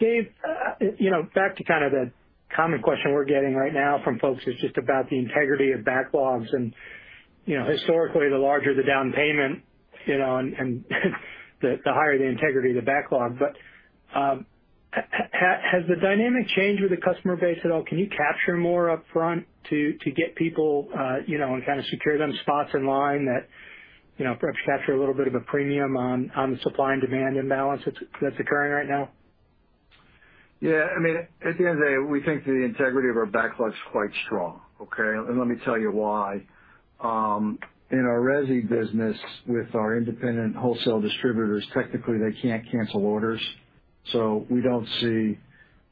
Dave, you know, back to kind of the common question we're getting right now from folks is just about the integrity of backlogs. You know, historically, the larger the down payment, you know, and the higher the integrity of the backlog. Has the dynamic changed with the customer base at all? Can you capture more upfront to get people, you know, and kind of secure them spots in line that, you know, perhaps capture a little bit of a premium on the supply and demand imbalance that's occurring right now? Yeah. I mean, at the end of the day, we think the integrity of our backlog's quite strong, okay? Let me tell you why. In our resi business with our independent wholesale distributors, technically they can't cancel orders, so we don't see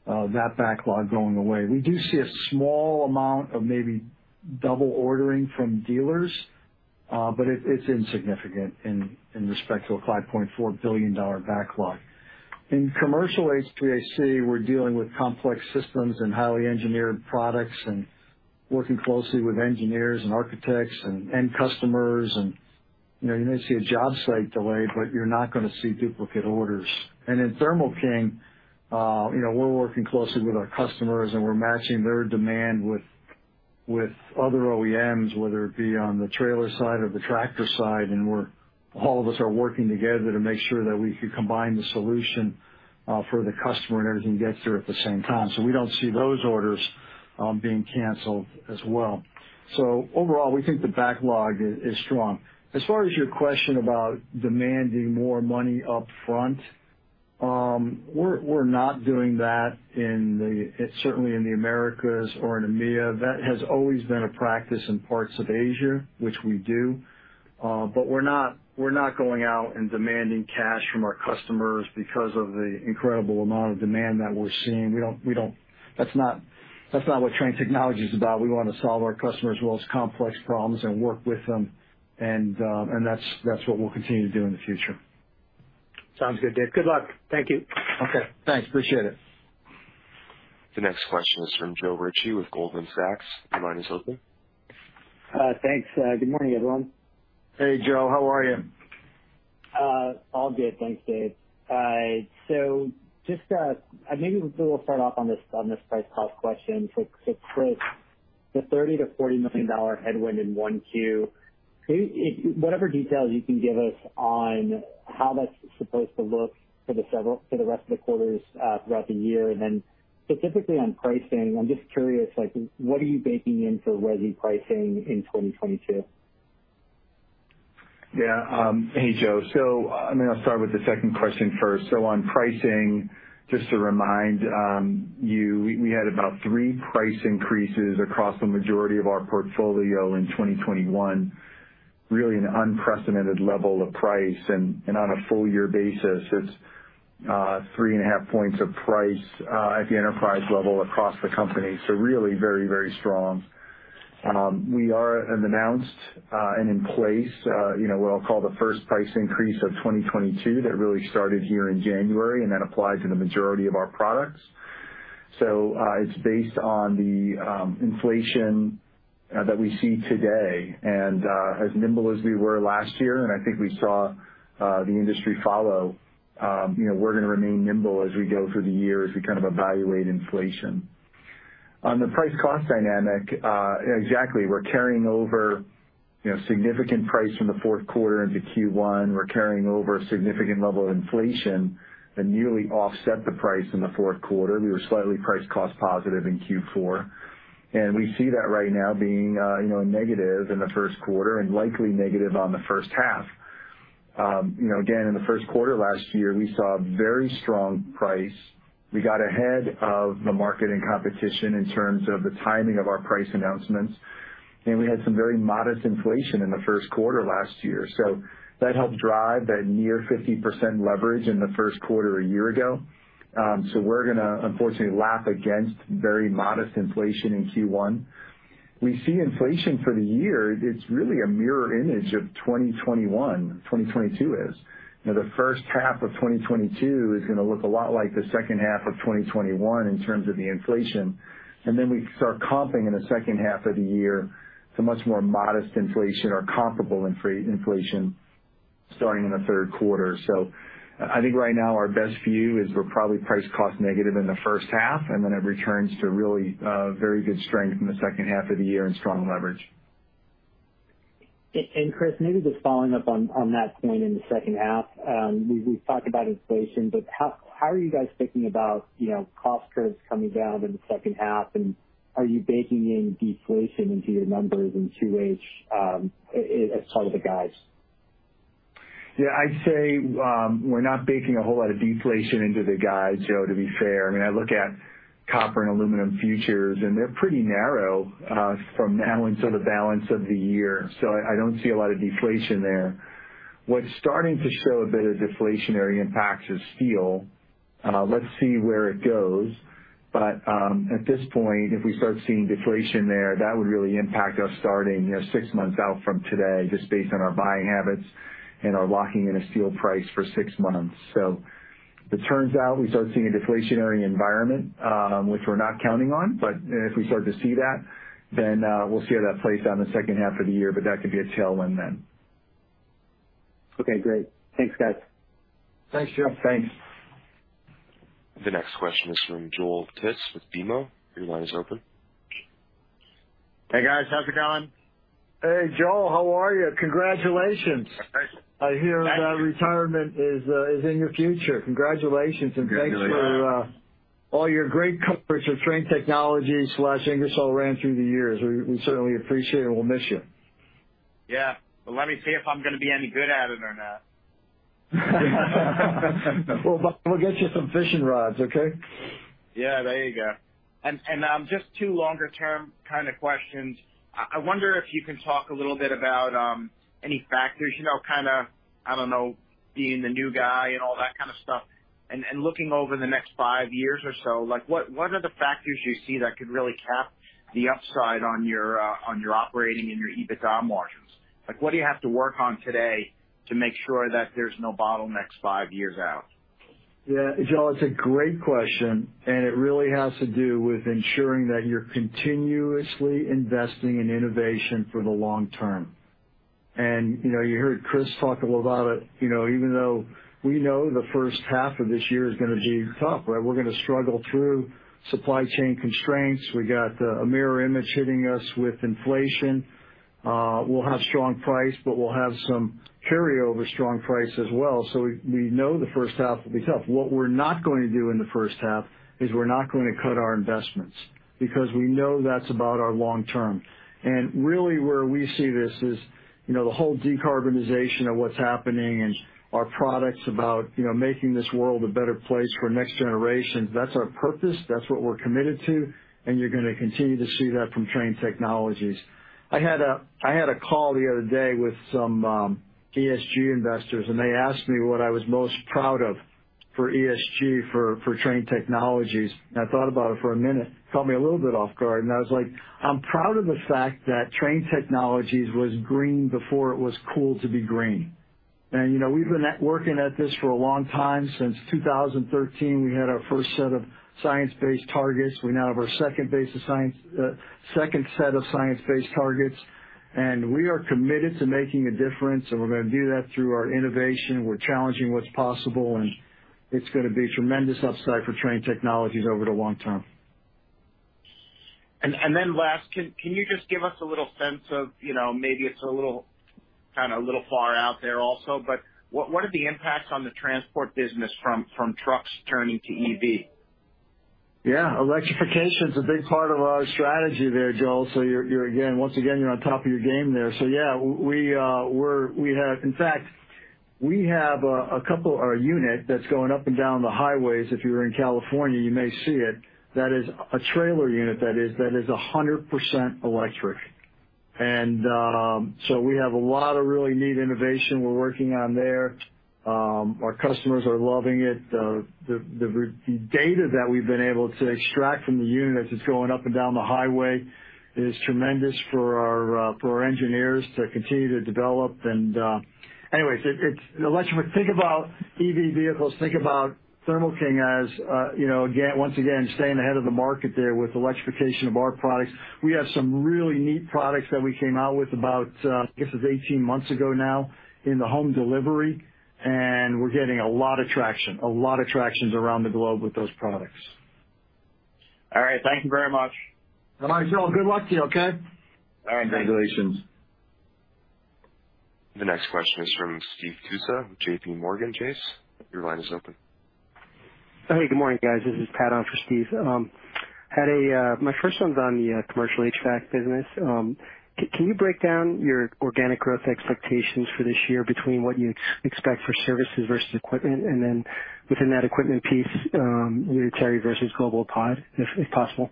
that backlog going away. We do see a small amount of maybe double ordering from dealers, but it's insignificant in respect to a $5.4 billion backlog. In commercial HVAC, we're dealing with complex systems and highly engineered products and working closely with engineers and architects and end customers. You know, you may see a job site delayed, but you're not gonna see duplicate orders. In Thermo King, you know, we're working closely with our customers, and we're matching their demand with other OEMs, whether it be on the trailer side or the tractor side, and all of us are working together to make sure that we can combine the solution for the customer and everything gets there at the same time. We don't see those orders being canceled as well. Overall, we think the backlog is strong. As far as your question about demanding more money up front, we're not doing that certainly in the Americas or in EMEA. That has always been a practice in parts of Asia, which we do. We're not going out and demanding cash from our customers because of the incredible amount of demand that we're seeing. We don't. That's not what Trane Technologies is about. We wanna solve our customers' world's complex problems and work with them, and that's what we'll continue to do in the future. Sounds good, Dave. Good luck. Thank you. Okay, thanks. Appreciate it. The next question is from Joe Ritchie with Goldman Sachs. Your line is open. Thanks. Good morning, everyone. Hey, Joe. How are you? All good. Thanks, Dave. Maybe we'll start off on this price cost question. Chris, the $30 million-$40 million headwind in 1Q, whatever details you can give us on how that's supposed to look for the rest of the quarters throughout the year. Then specifically on pricing, I'm just curious, like, what are you baking in for resi pricing in 2022? Yeah. Hey, Joe. I mean, I'll start with the second question first. On pricing, just to remind you, we had about three price increases across the majority of our portfolio in 2021, really an unprecedented level of price. On a full year basis, it's 3.5 points of price at the enterprise level across the company. Really very, very strong. We've announced and in place, you know, what I'll call the first price increase of 2022 that really started here in January and that applied to the majority of our products. It's based on the inflation that we see today. As nimble as we were last year, and I think we saw the industry follow, you know, we're gonna remain nimble as we go through the year as we kind of evaluate inflation. On the price cost dynamic, exactly. We're carrying over, you know, significant price from the fourth quarter into Q1. We're carrying over a significant level of inflation that nearly offset the price in the fourth quarter. We were slightly price cost positive in Q4, and we see that right now being, you know, negative in the first quarter and likely negative on the first half. You know, again, in the first quarter last year, we saw very strong price. We got ahead of the market and competition in terms of the timing of our price announcements, and we had some very modest inflation in the first quarter last year. That helped drive that near 50% leverage in the first quarter a year ago. We're gonna unfortunately lap against very modest inflation in Q1. We see inflation for the year, it's really a mirror image of 2021, 2022 is. You know, the first half of 2022 is gonna look a lot like the second half of 2021 in terms of the inflation, and then we start comping in the second half of the year to much more modest inflation or comparable inflation starting in the third quarter. I think right now our best view is we're probably price cost negative in the first half, and then it returns to really, very good strength in the second half of the year and strong leverage. Chris, maybe just following up on that point in the second half. We've talked about inflation, but how are you guys thinking about, you know, cost curves coming down in the second half, and are you baking in deflation into your numbers in 2H, as part of the guides? Yeah, I'd say, we're not baking a whole lot of deflation into the guide, Joe, to be fair. I mean, I look at copper and aluminum futures, and they're pretty narrow, from now until the balance of the year. I don't see a lot of deflation there. What's starting to show a bit of deflationary impacts is steel. Let's see where it goes. At this point, if we start seeing deflation there, that would really impact us starting, you know, six months out from today just based on our buying habits and our locking in a steel price for six months. If it turns out we start seeing a deflationary environment, which we're not counting on, but if we start to see that, then we'll see how that plays out in the second half of the year, but that could be a tailwind then. Okay, great. Thanks, guys. Thanks, Joe. Thanks. The next question is from Joel Tiss with BMO. Your line is open. Hey, guys. How's it going? Hey, Joel. How are you? Congratulations. Thanks. I hear- Thank you. Retirement is in your future. Congratulations. Congratulations. Thanks for all your great coverage of Trane Technologies/Ingersoll Rand through the years. We certainly appreciate it. We'll miss you. Yeah. Let me see if I'm gonna be any good at it or not. We'll get you some fishing rods, okay? Yeah, there you go. Just two longer term kind of questions. I wonder if you can talk a little bit about any factors, you know, kinda, I don't know, being the new guy and all that kind of stuff and looking over the next five years or so, like what are the factors you see that could really cap the upside on your operating and your EBITDA margins? Like, what do you have to work on today to make sure that there's no bottlenecks five years out? Yeah. Joel, it's a great question, and it really has to do with ensuring that you're continuously investing in innovation for the long term. You know, you heard Chris talk a little about it. You know, even though we know the first half of this year is gonna be tough, right? We're gonna struggle through supply chain constraints. We got a mirror image hitting us with inflation. We'll have strong price, but we'll have some carryover strong price as well. So we know the first half will be tough. What we're not going to do in the first half is we're not gonna cut our investments because we know that's about our long term. Really where we see this is, you know, the whole decarbonization of what's happening and our products about, you know, making this world a better place for next generations, that's our purpose. That's what we're committed to, and you're gonna continue to see that from Trane Technologies. I had a call the other day with some ESG investors, and they asked me what I was most proud of for ESG for Trane Technologies. I thought about it for a minute. Caught me a little bit off guard, and I was like, "I'm proud of the fact that Trane Technologies was green before it was cool to be green." You know, we've been working at this for a long time. Since 2013, we had our first set of science-based targets. We now have our second set of science-based targets. We are committed to making a difference, and we're gonna do that through our innovation. We're challenging what's possible, and it's gonna be tremendous upside for Trane Technologies over the long term. Can you just give us a little sense of, you know, maybe it's a little, kinda little far out there also, but what are the impacts on the transport business from trucks turning to EV? Yeah. Electrification's a big part of our strategy there, Joel. You're again, once again, on top of your game there. Yeah, we have. In fact, we have a couple or a unit that's going up and down the highways. If you're in California, you may see it. That is a trailer unit that is 100% electric. We have a lot of really neat innovation we're working on there. Our customers are loving it. The data that we've been able to extract from the unit that's going up and down the highway is tremendous for our engineers to continue to develop. Think about EV vehicles, think about Thermo King as, you know, again, once again, staying ahead of the market there with electrification of our products. We have some really neat products that we came out with about, I guess it was 18 months ago now in the home delivery, and we're getting a lot of traction, a lot of traction around the globe with those products. All right. Thank you very much. All right, Joel. Good luck to you, okay? All right. Congratulations. The next question is from Steve Tusa with JPMorgan. Your line is open. Hey, good morning, guys. This is Pat on for Steve. My first one's on the commercial HVAC business. Can you break down your organic growth expectations for this year between what you expect for services versus equipment? Then within that equipment piece, unitary versus global applied, if possible.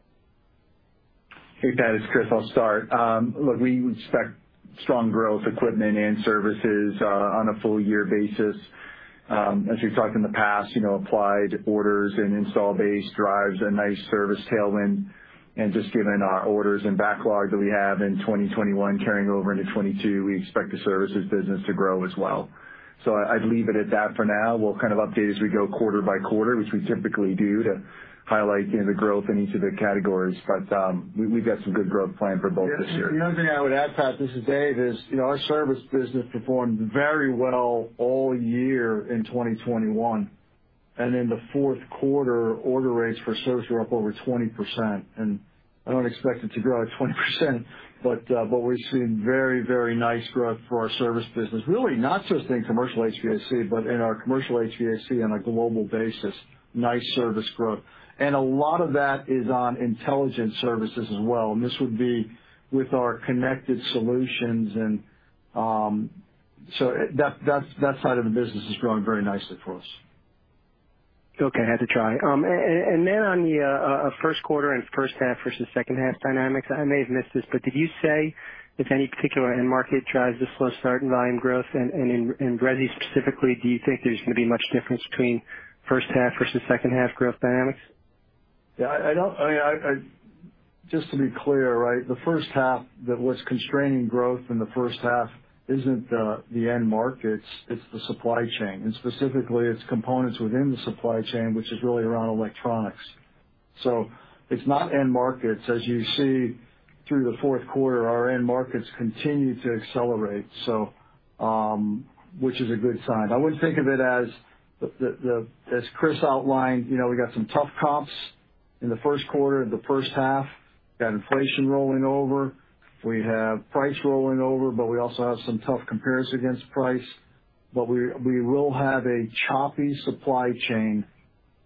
Hey, Pat. It's Chris. I'll start. Look, we expect strong growth in equipment and services on a full year basis. As we've talked in the past, you know, applied orders and install base drives a nice service tailwind. Just given our orders and backlog that we have in 2021 carrying over into 2022, we expect the services business to grow as well. I'd leave it at that for now. We'll kind of update as we go quarter by quarter, which we typically do to highlight, you know, the growth in each of the categories. We've got some good growth planned for both this year. The other thing I would add, Pat, this is Dave, is, you know, our service business performed very well all year in 2021. In the fourth quarter, order rates for service were up over 20%, and I don't expect it to grow at 20%, but we've seen very, very nice growth for our service business, really not just in commercial HVAC, but in our commercial HVAC on a global basis, nice service growth. A lot of that is on intelligent services as well, and this would be with our connected solutions and, so that side of the business is growing very nicely for us. Okay. I had to try. Then on the first quarter and first half versus second half dynamics, I may have missed this, but did you say if any particular end market drives the slow start in volume growth? In resi specifically, do you think there's gonna be much difference between first half versus second half growth dynamics? Just to be clear, right? The first half, that's what's constraining growth in the first half isn't the end markets. It's the supply chain, and specifically, it's components within the supply chain, which is really around electronics. It's not end markets. As you see through the fourth quarter, our end markets continue to accelerate, which is a good sign. I would think of it as Chris outlined, you know, we got some tough comps in the first quarter, in the first half. Got inflation rolling over. We have price rolling over, but we also have some tough comparison against price. We will have a choppy supply chain,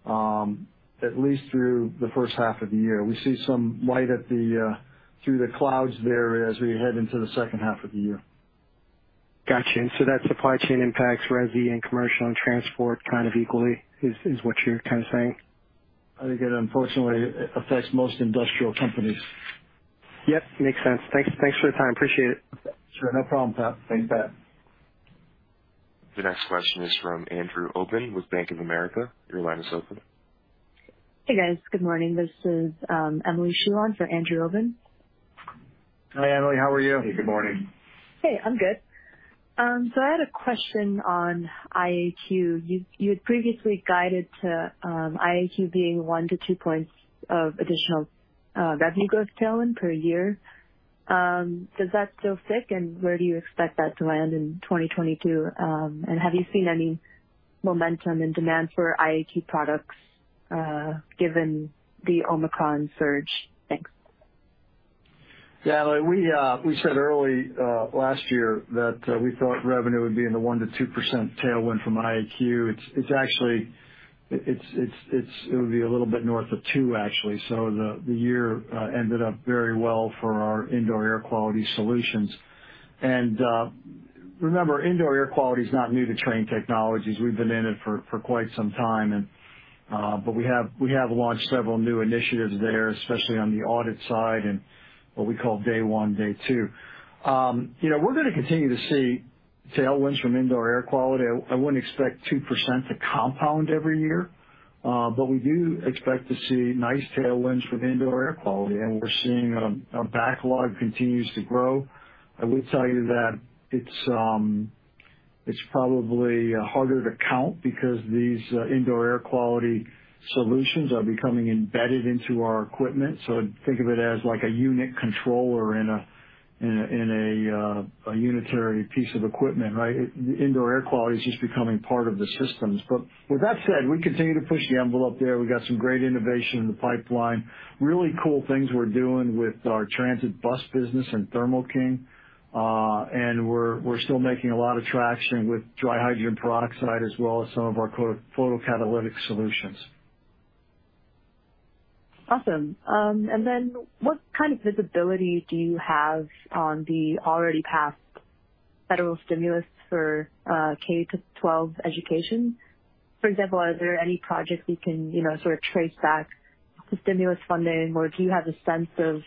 at least through the first half of the year. We see some light at the through the clouds there as we head into the second half of the year. Gotcha. That supply chain impacts resi and commercial and transport kind of equally, is what you're kind of saying? I think it unfortunately affects most industrial companies. Yep. Makes sense. Thanks. Thanks for the time. Appreciate it. Sure. No problem, Pat. Thanks, Pat. The next question is from Andrew Obin with Bank of America. Your line is open. Hey, guys. Good morning. This is, Emily Chu for Andrew Obin. Hi, Emily. How are you? Hey, good morning. Hey, I'm good. I had a question on IAQ. You had previously guided to IAQ being 1-2 points of additional revenue growth tailwind per year. Does that still stick? Where do you expect that to land in 2022? Have you seen any momentum in demand for IAQ products given the Omicron surge? Thanks. Yeah. We said early last year that we thought revenue would be in the 1%-2% tailwind from IAQ. It's actually it'll be a little bit north of 2%, actually. The year ended up very well for our indoor air quality solutions. Remember, indoor air quality is not new to Trane Technologies. We've been in it for quite some time. But we have launched several new initiatives there, especially on the audit side and what we call day one, day two. You know, we're gonna continue to see tailwinds from indoor air quality. I wouldn't expect 2% to compound every year, but we do expect to see nice tailwinds from indoor air quality. We're seeing our backlog continues to grow. I will tell you that it's probably harder to count because these indoor air quality solutions are becoming embedded into our equipment. Think of it as like a unit controller in a unitary piece of equipment, right? Indoor air quality is just becoming part of the systems. With that said, we continue to push the envelope there. We've got some great innovation in the pipeline, really cool things we're doing with our transit bus business and Thermo King. We're still making a lot of traction with dry hydrogen peroxide as well as some of our photocatalytic solutions. Awesome. What kind of visibility do you have on the already passed federal stimulus for K-12 education? For example, are there any projects you can sort of trace back to stimulus funding? Or do you have a sense of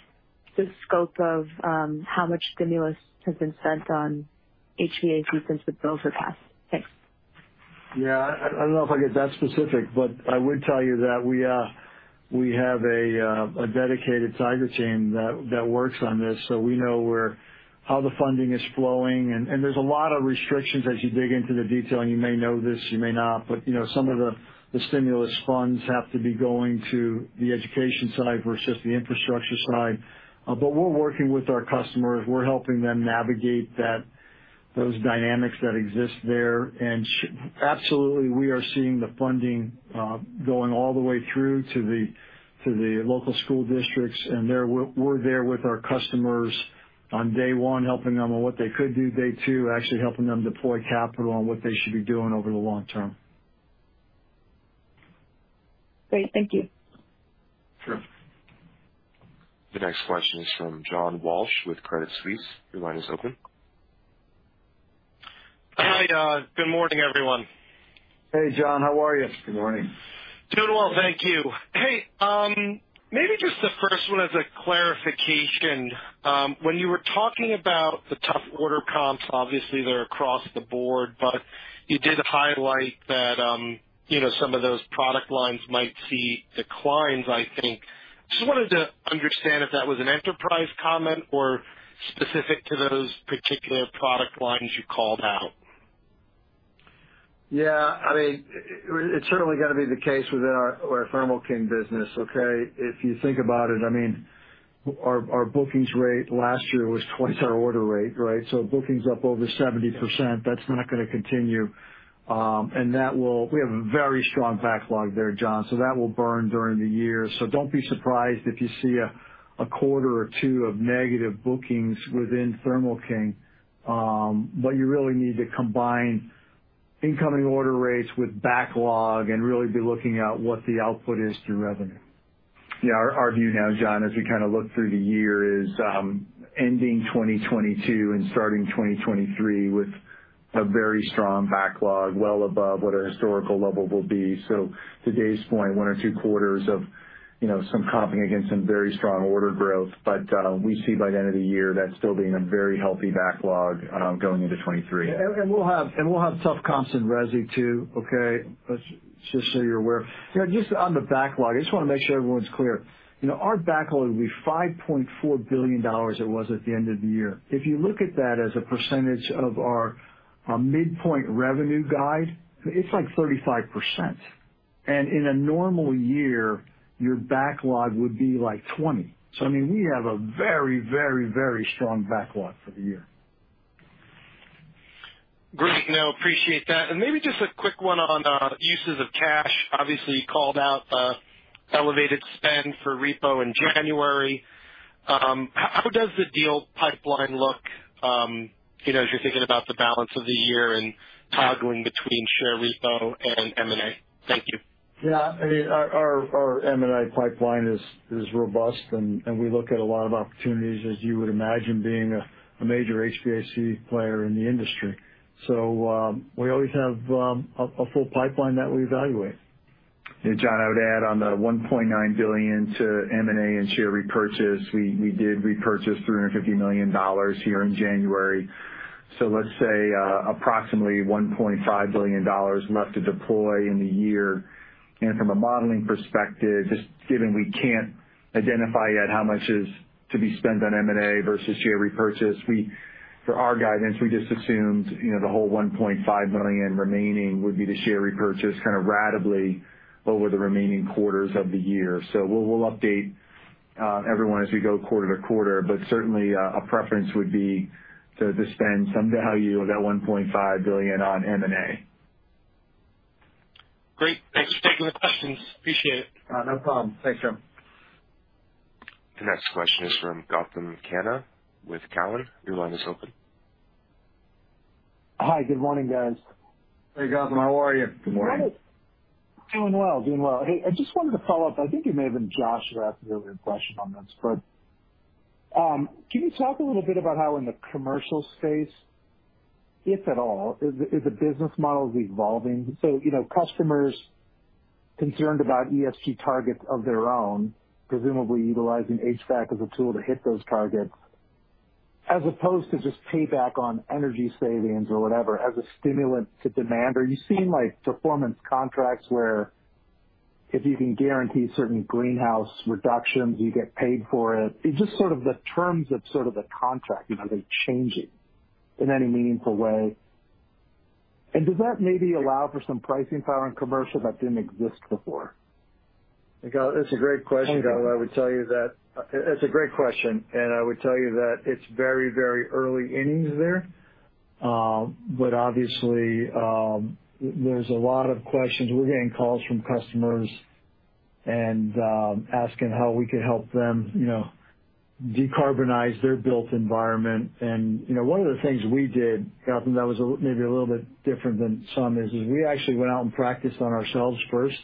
the scope of how much stimulus has been spent on HVAC since the bills were passed? Thanks. Yeah. I don't know if I'll get that specific, but I would tell you that we have a dedicated tiger team that works on this, so we know how the funding is flowing. There's a lot of restrictions as you dig into the detail, and you may know this, you may not, but you know, some of the stimulus funds have to be going to the education side versus the infrastructure side. But we're working with our customers. We're helping them navigate those dynamics that exist there. Absolutely, we are seeing the funding going all the way through to the local school districts. We're there with our customers on day one, helping them on what they could do, day two, actually helping them deploy capital on what they should be doing over the long term. Great. Thank you. Sure. The next question is from John Walsh with Credit Suisse. Your line is open. Hi, good morning, everyone. Hey, John. How are you? Good morning. Doing well, thank you. Hey, maybe just the first one as a clarification. When you were talking about the tough order comps, obviously they're across the board, but you did highlight that, you know, some of those product lines might see declines I think. Just wanted to understand if that was an enterprise comment or specific to those particular product lines you called out. Yeah, I mean, it's certainly gonna be the case within our Thermo King business, okay? If you think about it, I mean, our bookings rate last year was twice our order rate, right? Bookings up over 70%, that's not gonna continue. We have a very strong backlog there, John, so that will burn during the year. Don't be surprised if you see a quarter or two of negative bookings within Thermo King. You really need to combine incoming order rates with backlog and really be looking at what the output is to revenue. Yeah. Our view now, John, as we kind of look through the year is ending 2022 and starting 2023 with a very strong backlog, well above what our historical level will be. To Dave's point, one or two quarters of, you know, some comping against some very strong order growth. We see by the end of the year that still being a very healthy backlog, going into 2023. We'll have tough comps in resi too, okay? Just so you're aware. You know, just on the backlog, I just wanna make sure everyone's clear. You know, our backlog will be $5.4 billion. It was at the end of the year. If you look at that as a percentage of our midpoint revenue guide, it's like 35%. In a normal year, your backlog would be like 20. I mean, we have a very strong backlog for the year. Great. No, I appreciate that. Maybe just a quick one on uses of cash. Obviously, you called out elevated spend for repo in January. How does the deal pipeline look, you know, as you're thinking about the balance of the year and toggling between share repo and M&A? Thank you. Yeah. I mean, our M&A pipeline is robust, and we look at a lot of opportunities, as you would imagine being a major HVAC player in the industry. We always have a full pipeline that we evaluate. Yeah, John, I would add on the $1.9 billion to M&A and share repurchase, we did repurchase $350 million here in January. Let's say approximately $1.5 billion left to deploy in the year. From a modeling perspective, just given we can't identify yet how much is to be spent on M&A versus share repurchase, for our guidance, we just assumed, you know, the whole $1.5 billion remaining would be the share repurchase kind of ratably over the remaining quarters of the year. We'll update everyone as we go quarter to quarter. Certainly, a preference would be to spend some value of that $1.5 billion on M&A. Great. Thanks for taking the questions. Appreciate it. No problem. Thanks, Jim. The next question is from Gautam Khanna with Cowen. Your line is open. Hi. Good morning, guys. Hey, Gautam. How are you? Good morning. Doing well. Hey, I just wanted to follow up. Josh asked an earlier question on this, but, can you talk a little bit about how in the commercial space, if at all, is the business model evolving? You know, customers concerned about ESG targets of their own, presumably utilizing HVAC as a tool to hit those targets, as opposed to just payback on energy savings or whatever as a stimulant to demand. Are you seeing, like, performance contracts where if you can guarantee certain greenhouse reductions, you get paid for it? Is just sort of the terms of the contract, you know, changing in any meaningful way? Does that maybe allow for some pricing power in commercial that didn't exist before? Gautam, that's a great question. Thank you. It's a great question, and I would tell you that it's very, very early innings there. Obviously, there's a lot of questions. We're getting calls from customers and asking how we could help them, you know, decarbonize their built environment. You know, one of the things we did, Gautam, that was maybe a little bit different than some is we actually went out and practiced on ourselves first.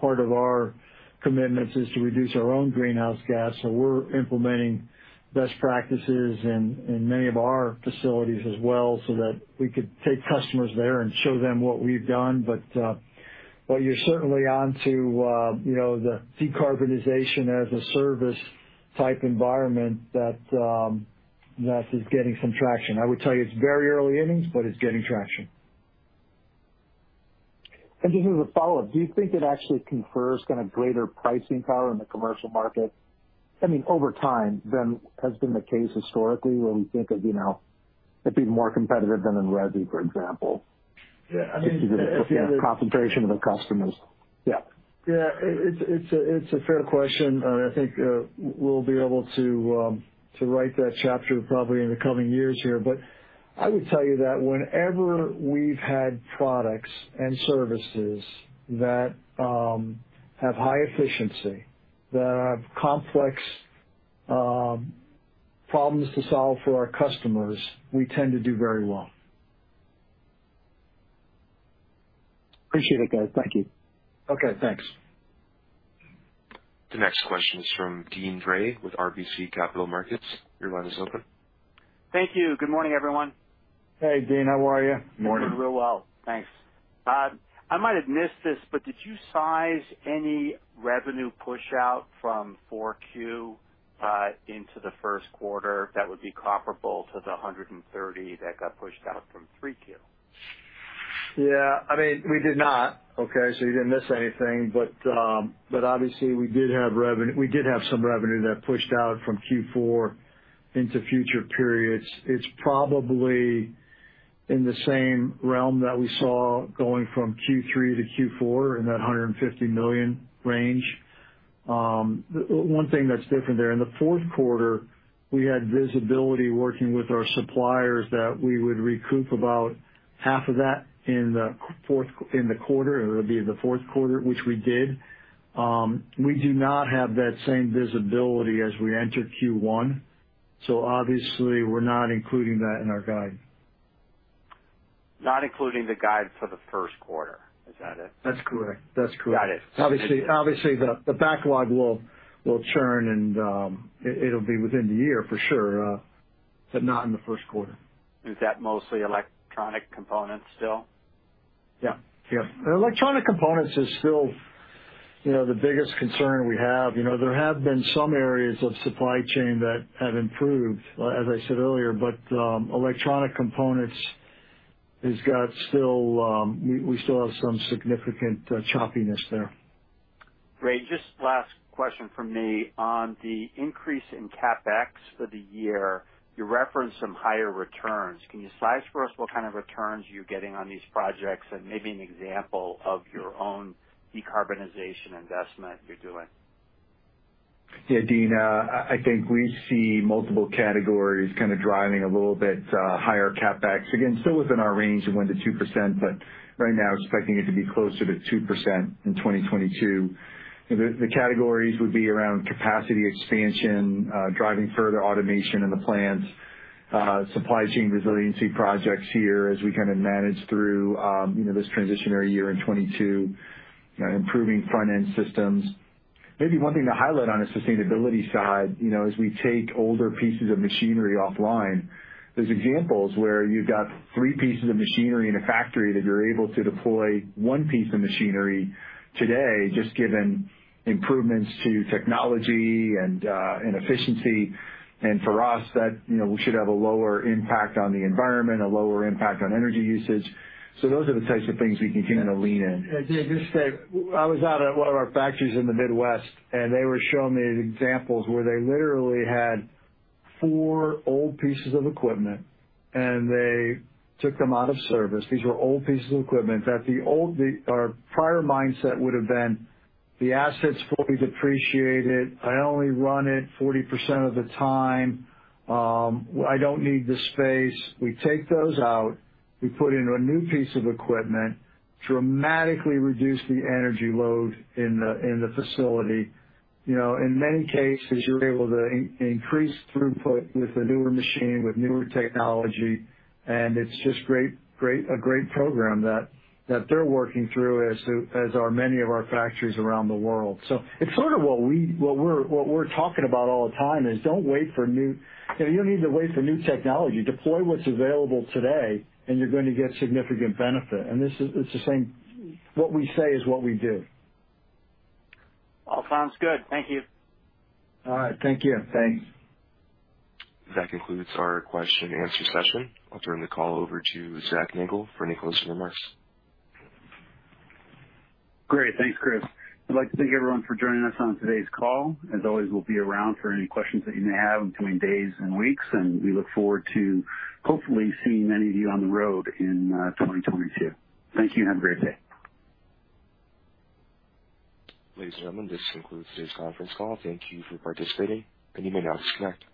Part of our commitments is to reduce our own greenhouse gas. We're implementing best practices in many of our facilities as well, so that we could take customers there and show them what we've done. You're certainly on to, you know, the decarbonization as a service type environment that is getting some traction. I would tell you it's very early innings, but it's getting traction. Just as a follow-up, do you think it actually confers kinda greater pricing power in the commercial market, I mean, over time, than has been the case historically, where we think of, you know, it being more competitive than in resi, for example? Yeah. I mean, if you have. Concentration of the customers. Yeah. Yeah, it's a fair question, and I think we'll be able to write that chapter probably in the coming years here. I would tell you that whenever we've had products and services that have high efficiency, that have complex problems to solve for our customers, we tend to do very well. Appreciate it, guys. Thank you. Okay, thanks. The next question is from Deane Dray with RBC Capital Markets. Your line is open. Thank you. Good morning, everyone. Hey, Dean. How are you? Morning. I'm doing real well. Thanks. I might have missed this, but did you size any revenue push out from Q4 into the first quarter that would be comparable to the $130 that got pushed out from Q3? Yeah. I mean, we did not. Okay? You didn't miss anything. Obviously we did have some revenue that pushed out from Q4 into future periods. It's probably in the same realm that we saw going from Q3 to Q4 in that $150 million range. One thing that's different there, in the fourth quarter, we had visibility working with our suppliers that we would recoup about half of that in the fourth quarter, which we did. We do not have that same visibility as we enter Q1, so obviously we're not including that in our guide. Not including the guide for the first quarter, is that it? That's correct. That's correct. Got it. Obviously, the backlog will churn and it'll be within the year for sure, but not in the first quarter. Is that mostly electronic components still? Yeah. Yeah. Electronic components is still, you know, the biggest concern we have. You know, there have been some areas of supply chain that have improved, as I said earlier, but electronic components has got still. We still have some significant choppiness there. Great. Just last question from me. On the increase in CapEx for the year, you referenced some higher returns. Can you size for us what kind of returns you're getting on these projects and maybe an example of your own decarbonization investment you're doing? Yeah, Dean, I think we see multiple categories kinda driving a little bit higher CapEx. Again, still within our range of 1%-2%, but right now expecting it to be closer to 2% in 2022. The categories would be around capacity expansion, driving further automation in the plants, supply chain resiliency projects here as we kinda manage through, you know, this transitory year in 2022, you know, improving front-end systems. Maybe one thing to highlight on the sustainability side, you know, as we take older pieces of machinery offline, there's examples where you've got three pieces of machinery in a factory that you're able to deploy one piece of machinery today just given improvements to technology and efficiency. For us, that, you know, should have a lower impact on the environment, a lower impact on energy usage. Those are the types of things we continue to lean in. Deane, I was out at one of our factories in the Midwest, and they were showing me examples where they literally had four old pieces of equipment, and they took them out of service. These were old pieces of equipment that the old or prior mindset would have been the asset's fully depreciated. I only run it 40% of the time. I don't need the space. We take those out, we put in a new piece of equipment, dramatically reduce the energy load in the facility. You know, in many cases, you're able to increase throughput with the newer machine, with newer technology, and it's just great a great program that they're working through as are many of our factories around the world. It's sort of what we're talking about all the time is don't wait for new. You know, you don't need to wait for new technology. Deploy what's available today, and you're going to get significant benefit. This is the same. What we say is what we do. All sounds good. Thank you. All right. Thank you. Thanks. That concludes our question and answer session. I'll turn the call over to Zac Nagle for any closing remarks. Great. Thanks, Chris. I'd like to thank everyone for joining us on today's call. As always, we'll be around for any questions that you may have in between days and weeks, and we look forward to hopefully seeing many of you on the road in 2022. Thank you. Have a great day. Ladies and gentlemen, this concludes today's conference call. Thank you for participating. You may now disconnect.